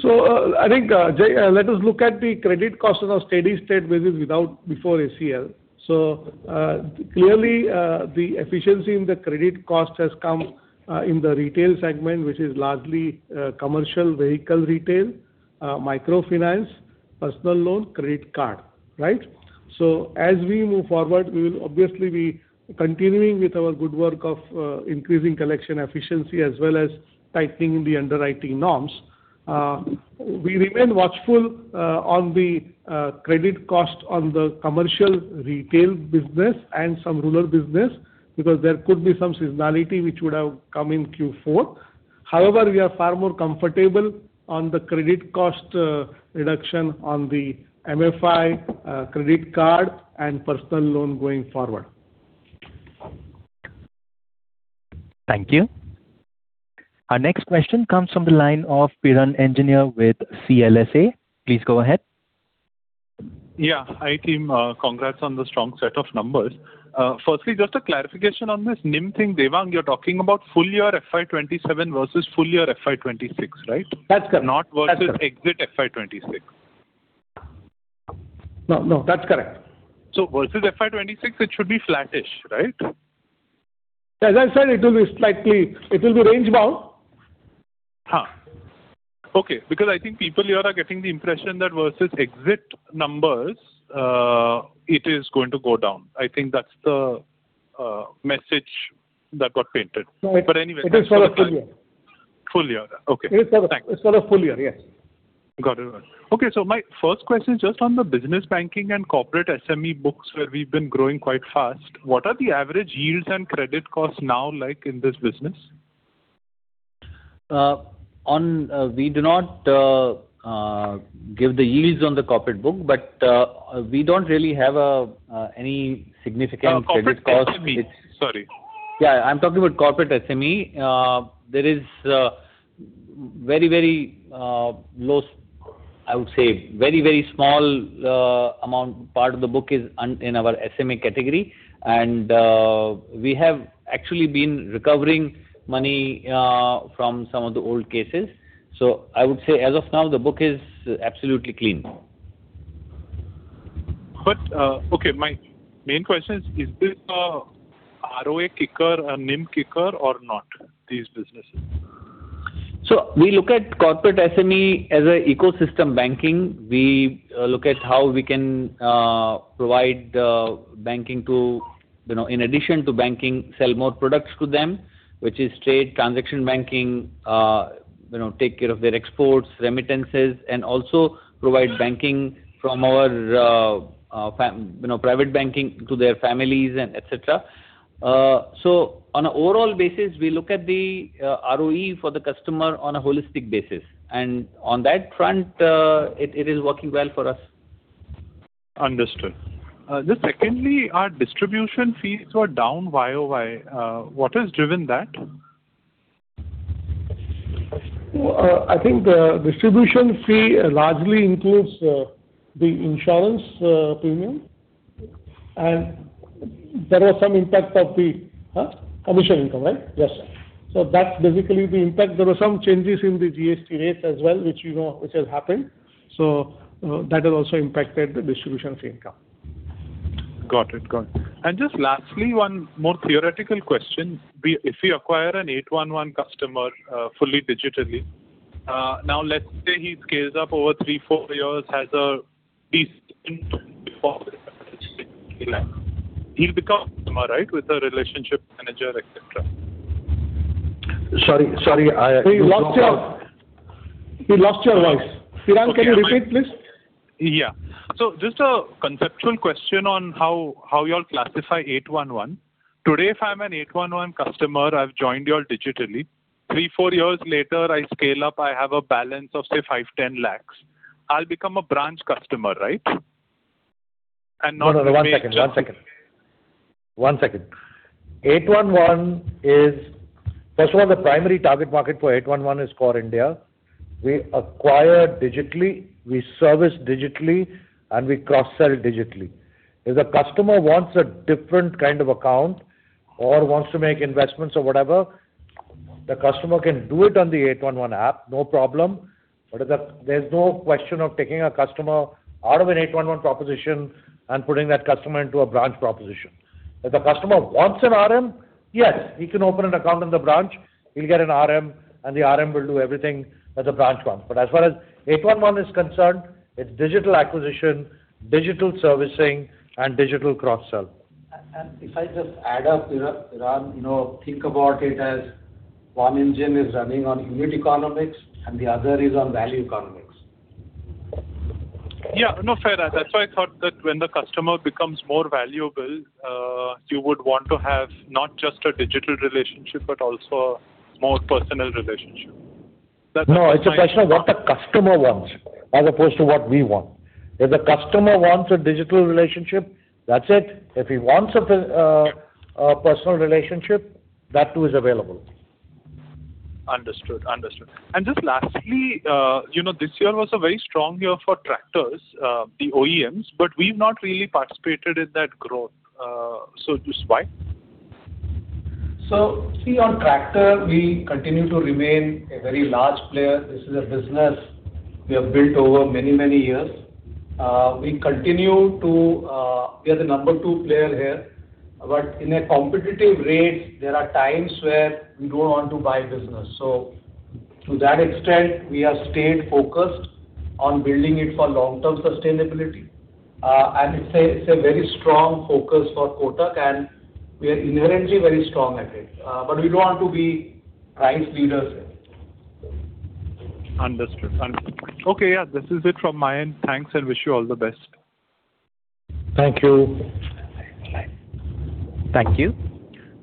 2027? I think, Jai, let us look at the credit costs on a steady-state basis without, before ECL. Clearly, the efficiency in the credit cost has come in the retail segment, which is largely commercial vehicle retail, microfinance, personal loan, credit card. Right? As we move forward, we will obviously be continuing with our good work of increasing collection efficiency as well as tightening the underwriting norms. We remain watchful on the credit cost on the commercial retail business and some rural business because there could be some seasonality which would have come in Q4. However, we are far more comfortable on the credit cost reduction on the MFI, credit card and personal loan going forward. Thank you. Our next question comes from the line of Piran Engineer with CLSA. Please go ahead. Yeah. Hi, team. Congrats on the strong set of numbers. Firstly, just a clarification on this NIM thing. Devang, you're talking about full year FY 2027 versus full year FY 2026, right? That's correct. Not versus exit FY 2026. No, no, that's correct. Versus FY 2026 it should be flattish, right? As I said, it will be range bound. Okay. I think people here are getting the impression that versus exit numbers, it is going to go down. Message that got painted. No. Anyway. It is for a full year. Full year. Okay. It is for the. Thanks. It's for the full year, yes. Got it. Okay. My first question is just on the business banking and corporate SME books where we've been growing quite fast. What are the average yields and credit costs now like in this business? On, we do not give the yields on the corporate book, but we don't really have any. Corporate SME. Credit cost. Sorry. Yeah, I'm talking about corporate SME. There is very, very small amount part of the book is in our SME category, and we have actually been recovering money from some of the old cases. I would say as of now the book is absolutely clean. Okay, my main question is this a ROA kicker, a NIM kicker or not, these businesses? We look at corporate SME as an ecosystem banking. We look at how we can provide banking to, you know, in addition to banking, sell more products to them, which is trade, transaction banking, you know, take care of their exports, remittances, and also provide banking from our, you know, private banking to their families and et cetera. On an overall basis, we look at the ROE for the customer on a holistic basis. On that front, it is working well for us. Understood. Just secondly, our distribution fees were down YoY. What has driven that? Well, I think the distribution fee largely includes the insurance premium. There was some impact of the commission income, right? Yes. That's basically the impact. There were some changes in the GST rates as well, which you know, which has happened. You know, that has also impacted the distribution fee income. Got it. Got it. Just lastly, one more theoretical question. If we acquire a Kotak 811 customer, fully digitally, now let's say he scales up over three, four years, has a decent income before He'll become customer, right? With a relationship manager, et cetera. Sorry. We lost your voice. Okay. Piran, can you repeat, please? Yeah. Just a conceptual question on how y'all classify 811. Today, if I'm a 811 customer, I've joined y'all digitally. three, four years later, I scale up, I have a balance of, say, 5 lakh-10 lakh. I'll become a branch customer, right? No, no, one second. one second. one second. 811 is. First of all, the primary target market for 811 is core India. We acquire digitally, we service digitally, and we cross-sell digitally. If the customer wants a different kind of account or wants to make investments or whatever, the customer can do it on the 811 app, no problem. There's no question of taking a customer out of an 811 proposition and putting that customer into a branch proposition. If the customer wants an RM, yes, he can open an account in the branch. He'll get an RM, and the RM will do everything that the branch wants. As far as 811 is concerned, it's digital acquisition, digital servicing, and digital cross-sell. If I just add up, Piran, you know, think about it as one engine is running on unit economics and the other is on value economics. Yeah. No, fair. That's why I thought that when the customer becomes more valuable, you would want to have not just a digital relationship, but also a more personal relationship. No, it's a question of what the customer wants as opposed to what we want. If the customer wants a digital relationship, that's it. If he wants a personal relationship, that too is available. Understood. Understood. Just lastly, you know, this year was a very strong year for tractors, the OEMs, but we've not really participated in that growth. Just why? See on tractor we continue to remain a very large player. This is a business we have built over many, many years. We continue to, we are the number two player here. In a competitive rates, there are times where we don't want to buy business. To that extent, we have stayed focused on building it for long-term sustainability. It's a, it's a very strong focus for Kotak, and we are inherently very strong at it. We don't want to be price leaders here. Understood. Understood. Okay, yeah. This is it from my end. Thanks and wish you all the best. Thank you. Okay. Bye. Thank you.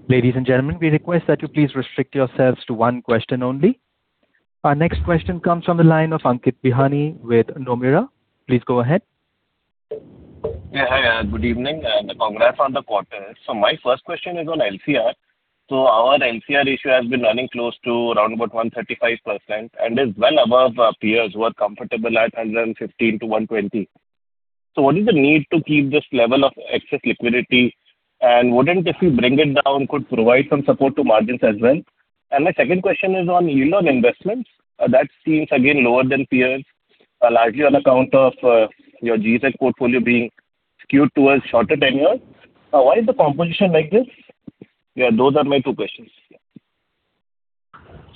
Ladies and gentlemen, we request that you please restrict yourselves to one question only. Our next question comes from the line of Ankit Bihani with Nomura. Please go ahead. Yeah, hi. Good evening. Congrats on the quarter. My first question is on LCR. Our LCR issue has been running close to around about 135% and is well above our peers who are comfortable at 115%-20%. What is the need to keep this level of excess liquidity? Wouldn't if you bring it down could provide some support to margins as well? My second question is on yield on investments. That seems again lower than peers, largely on account of your G-Sec portfolio being skewed towards shorter tenure. Why is the composition like this? Yeah, those are my two questions.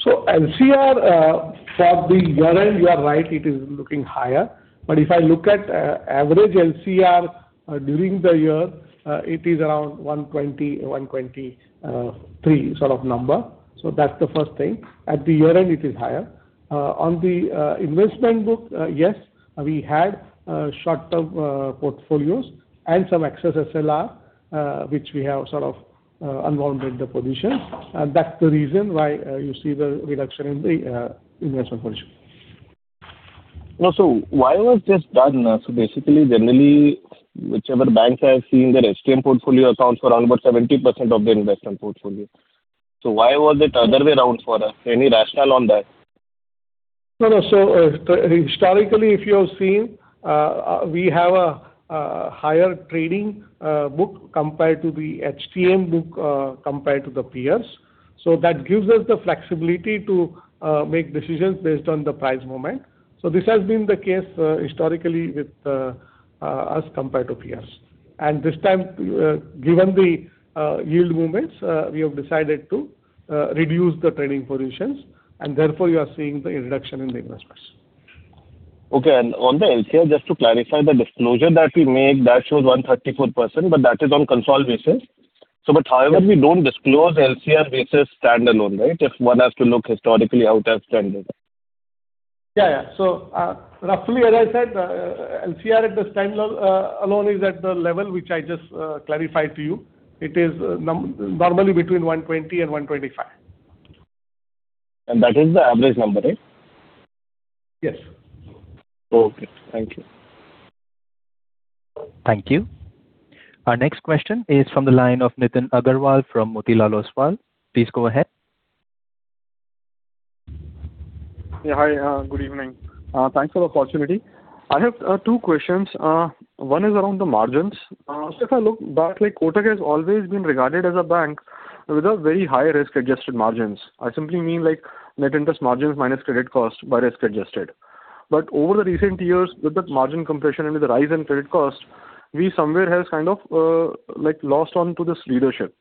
LCR for the year-end, you are right, it is looking higher. If I look at average LCR during the year, it is around 123% sort of number. That's the first thing. At the year-end it is higher. On the investment book, yes, we had short-term portfolios and some excess SLR, which we have sort of unwound with the positions. That's the reason why you see the reduction in the investment position. No. Why was this done? Basically, generally, whichever banks I have seen their HTM portfolio accounts for around about 70% of their investment portfolio. Why was it other way around for us? Any rationale on that? No, no. Historically, if you have seen, we have a higher trading book compared to the HTM book compared to the peers. That gives us the flexibility to make decisions based on the price movement. This has been the case historically with us compared to peers. This time, given the yield movements, we have decided to reduce the trading positions and therefore you are seeing the reduction in the investments. Okay. On the LCR, just to clarify the disclosure that we make that shows 134%, but that is on consolidated basis. However, we don't disclose LCR basis standalone, right? If one has to look historically how it has trended. Yeah. Roughly as I said, LCR at this time alone is at the level which I just clarified to you. It is normally between 120% and 125%. That is the average number, right? Yes. Okay. Thank you. Thank you. Our next question is from the line of Nitin Aggarwal from Motilal Oswal. Please go ahead. Hi. Good evening. thanks for the opportunity. I have two questions. One is around the margins. If I look back, like, Kotak has always been regarded as a bank with a very high risk-adjusted margins. I simply mean, like, net interest margins minus credit cost, but risk-adjusted. Over the recent years, with that margin compression and with the rise in credit cost, we somewhere has kind of, like, lost on to this leadership.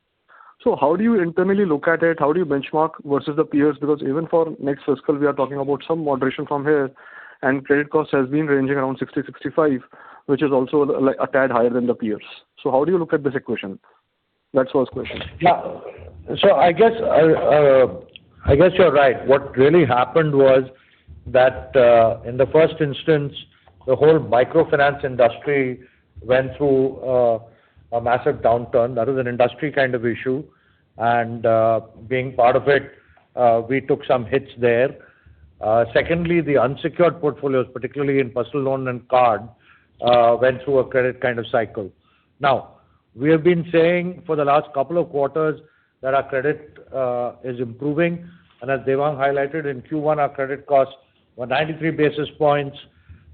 How do you internally look at it? How do you benchmark versus the peers? Even for next fiscal, we are talking about some moderation from here, and credit cost has been ranging around 60, 65, which is also like a tad higher than the peers. How do you look at this equation? That's first question. Yeah. I guess you're right. What really happened was that in the first instance, the whole microfinance industry went through a massive downturn. That was an industry kind of issue. Being part of it, we took some hits there. Secondly, the unsecured portfolios, particularly in personal loan and card, went through a credit kind of cycle. Now, we have been saying for the last couple of quarters that our credit is improving, and as Devang highlighted in Q1, our credit costs were 93 basis points,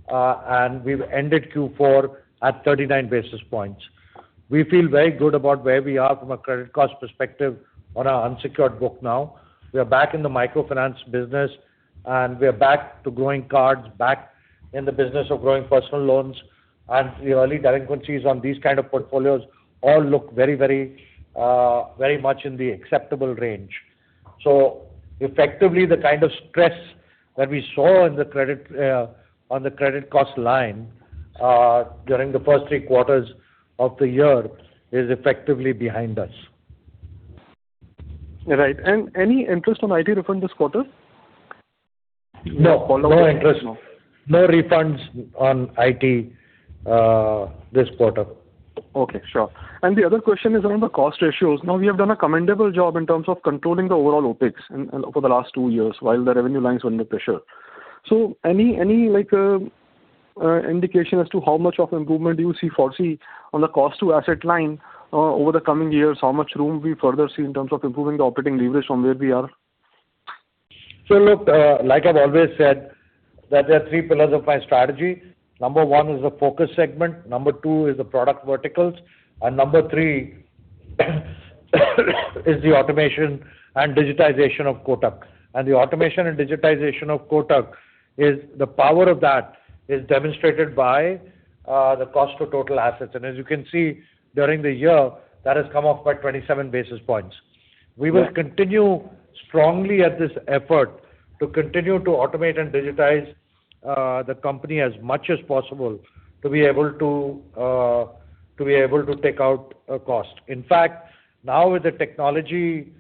and we've ended Q4 at 39 basis points. We feel very good about where we are from a credit cost perspective on our unsecured book now. We are back in the microfinance business, and we are back to growing cards, back in the business of growing personal loans. The early delinquencies on these kind of portfolios all look very much in the acceptable range. Effectively, the kind of stress that we saw in the credit on the credit cost line during the first three quarters of the year is effectively behind us. Right. Any interest on IT refund this quarter? No. No interest. No refunds on IT, this quarter. Okay. Sure. The other question is around the cost ratios. Now, we have done a commendable job in terms of controlling the overall OpEx in over the last two years while the revenue lines were under pressure. Any like, indication as to how much of improvement do you see foresee on the cost to asset line over the coming years? How much room we further see in terms of improving the operating leverage from where we are? Look, like I've always said that there are three pillars of my strategy. Number one is the focus segment. Number two is the product verticals. Number three is the automation and digitization of Kotak. The automation and digitization of Kotak is the power of that is demonstrated by the cost to total assets. As you can see during the year, that has come off by 27 basis points. Yeah. We will continue strongly at this effort to continue to automate and digitize the company as much as possible to be able to take out cost. In fact, now with the technology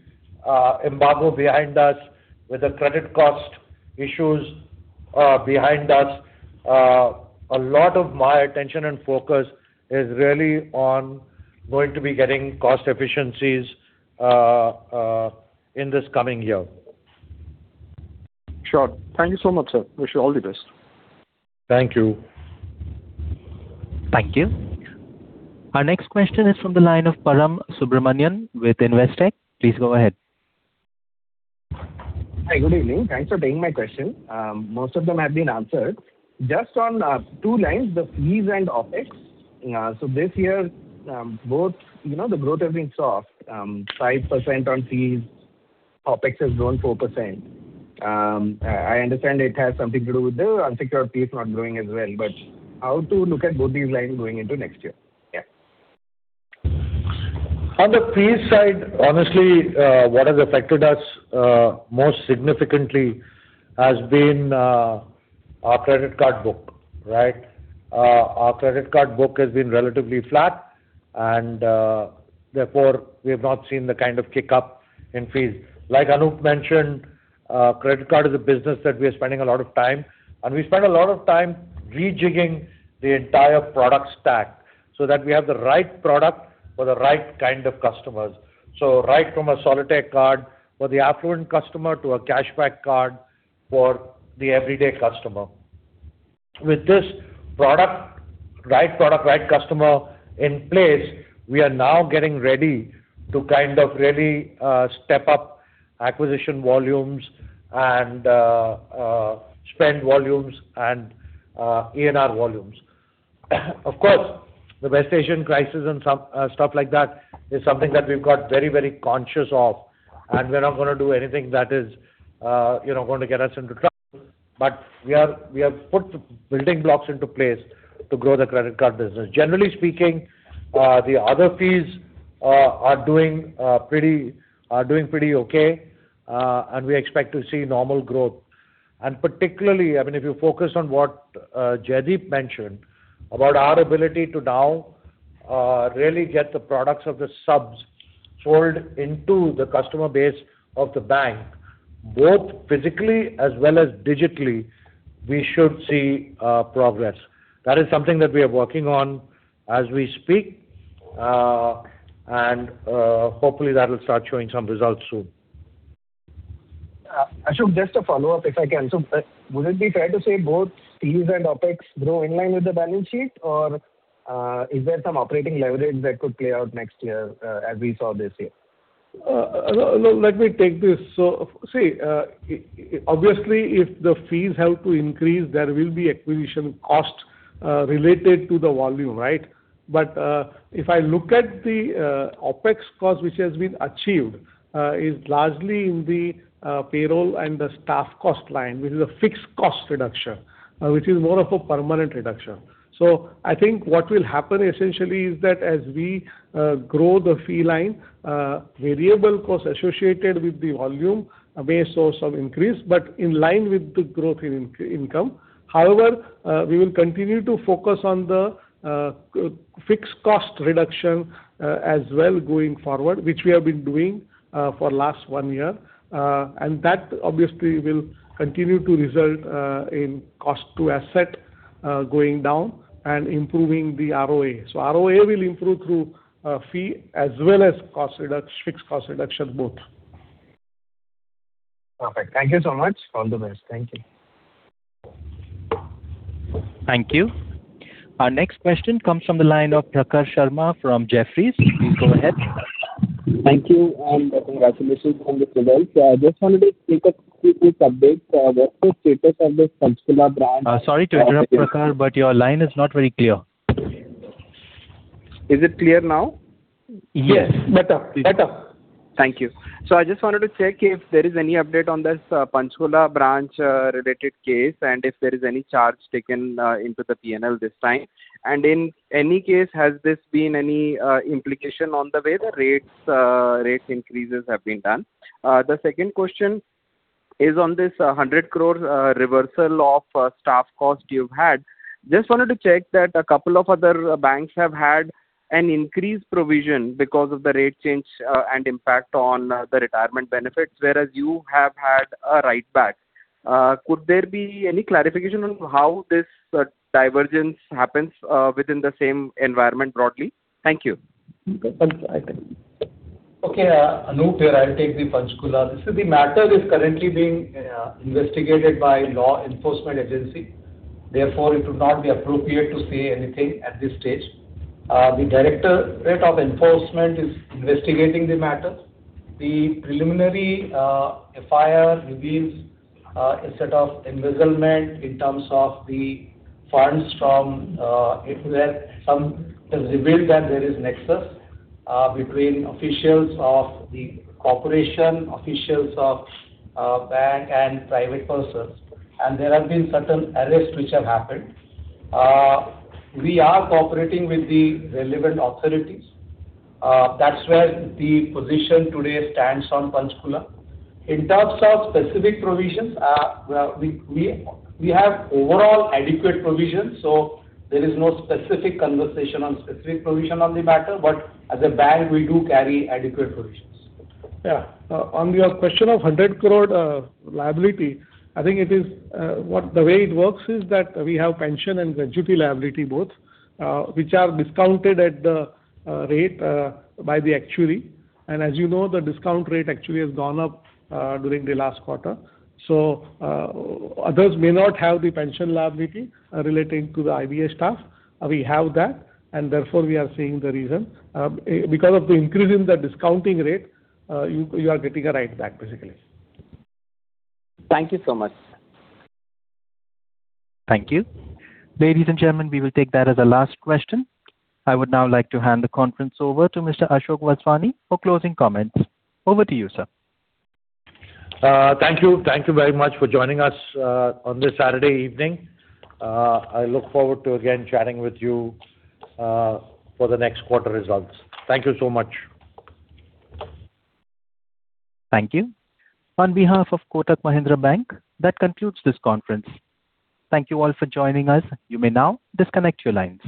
embargo behind us, with the credit cost issues behind us, a lot of my attention and focus is really on going to be getting cost efficiencies in this coming year. Sure. Thank you so much, Sir. Wish you all the best. Thank you. Thank you. Our next question is from the line of Param Subramanian with Investec. Please go ahead. Hi. Good evening. Thanks for taking my question. Most of them have been answered. Just on two lines, the fees and OpEx. This year, both, you know, the growth has been soft. 5% on fees. OpEx has grown 4%. I understand it has something to do with the unsecured fees not growing as well. How to look at both these lines going into next year On the fees side, honestly, what has affected us, most significantly has been, our credit card book, right? Our credit card book has been relatively flat. Therefore we have not seen the kind of kick up in fees. Like Anup mentioned, credit card is a business that we are spending a lot of time, and we spend a lot of time rejigging the entire product stack so that we have the right product for the right kind of customers. Right from a Solitaire card for the affluent customer to a cashback card for the everyday customer. With this product, right product, right customer in place, we are now getting ready to kind of really, step up acquisition volumes and, spend volumes and, ENR volumes. Of course, the West Asian crisis and some stuff like that is something that we've got very, very conscious of, and we're not gonna do anything that is, you know, going to get us into trouble. We are, we have put building blocks into place to grow the credit card business. Generally speaking, the other fees are doing pretty okay, and we expect to see normal growth. Particularly, I mean, if you focus on what Jaideep mentioned about our ability to now really get the products of the subs sold into the customer base of the bank, both physically as well as digitally, we should see progress. That is something that we are working on as we speak, and hopefully that will start showing some results soon. Ashok, just a follow-up if I can. Would it be fair to say both fees and OpEx grow in line with the balance sheet or, is there some operating leverage that could play out next year, as we saw this year? Let me take this. See, obviously if the fees have to increase, there will be acquisition costs related to the volume, right? If I look at the OpEx cost, which has been achieved, is largely in the payroll and the staff cost line, which is a fixed cost reduction, which is more of a permanent reduction. I think what will happen essentially is that as we grow the fee line, variable costs associated with the volume may see some increase, but in line with the growth in income. However, we will continue to focus on the fixed cost reduction as well going forward, which we have been doing for last one year. That obviously will continue to result in cost to asset going down and improving the ROA. ROA will improve through fee as well as fixed cost reduction both. Perfect. Thank you so much. All the best. Thank you. Thank you. Our next question comes from the line of Prakhar Sharma from Jefferies. Please go ahead. Thank you and congratulations on the results. I just wanted to take a quick update. What's the status of this Panchkula branch? Sorry to interrupt, Prakhar, but your line is not very clear. Is it clear now? Yes. Better. Thank you. I just wanted to check if there is any update on this Panchkula branch related case and if there is any charge taken into the P&L this time. In any case, has this been any implication on the way the rates, rate increases have been done? The second question is on this 100 crores reversal of staff cost you've had. Just wanted to check that a couple of other banks have had an increased provision because of the rate change and impact on the retirement benefits, whereas you have had a write back. Could there be any clarification on how this divergence happens within the same environment broadly? Thank you. Anup here. I'll take the Panchkula. The matter is currently being investigated by law enforcement agency, therefore it would not be appropriate to say anything at this stage. The directorate of enforcement is investigating the matter. The preliminary FIR reveals a set of embezzlement. It revealed that there is nexus between officials of the corporation, officials of bank and private persons, and there have been certain arrests which have happened. We are cooperating with the relevant authorities. That's where the position today stands on Panchkula. In terms of specific provisions, we have overall adequate provisions, so there is no specific conversation on specific provision on the matter. As a bank, we do carry adequate provisions. Yeah. On your question of 100 crore liability, I think it is what the way it works is that we have pension and gratuity liability both, which are discounted at the rate by the actuary. As you know, the discount rate actually has gone up during the last quarter. Others may not have the pension liability relating to the IBA staff. We have that, and therefore we are seeing the reason. Because of the increase in the discounting rate, you are getting a write back, basically. Thank you so much. Thank you. Ladies and gentlemen, we will take that as our last question. I would now like to hand the conference over to Mr. Ashok Vaswani for closing comments. Over to you, Sir. Thank you. Thank you very much for joining us on this Saturday evening. I look forward to again chatting with you for the next quarter results. Thank you so much Thank you. On behalf of Kotak Mahindra Bank, that concludes this conference. Thank you all for joining us. You may now disconnect your lines.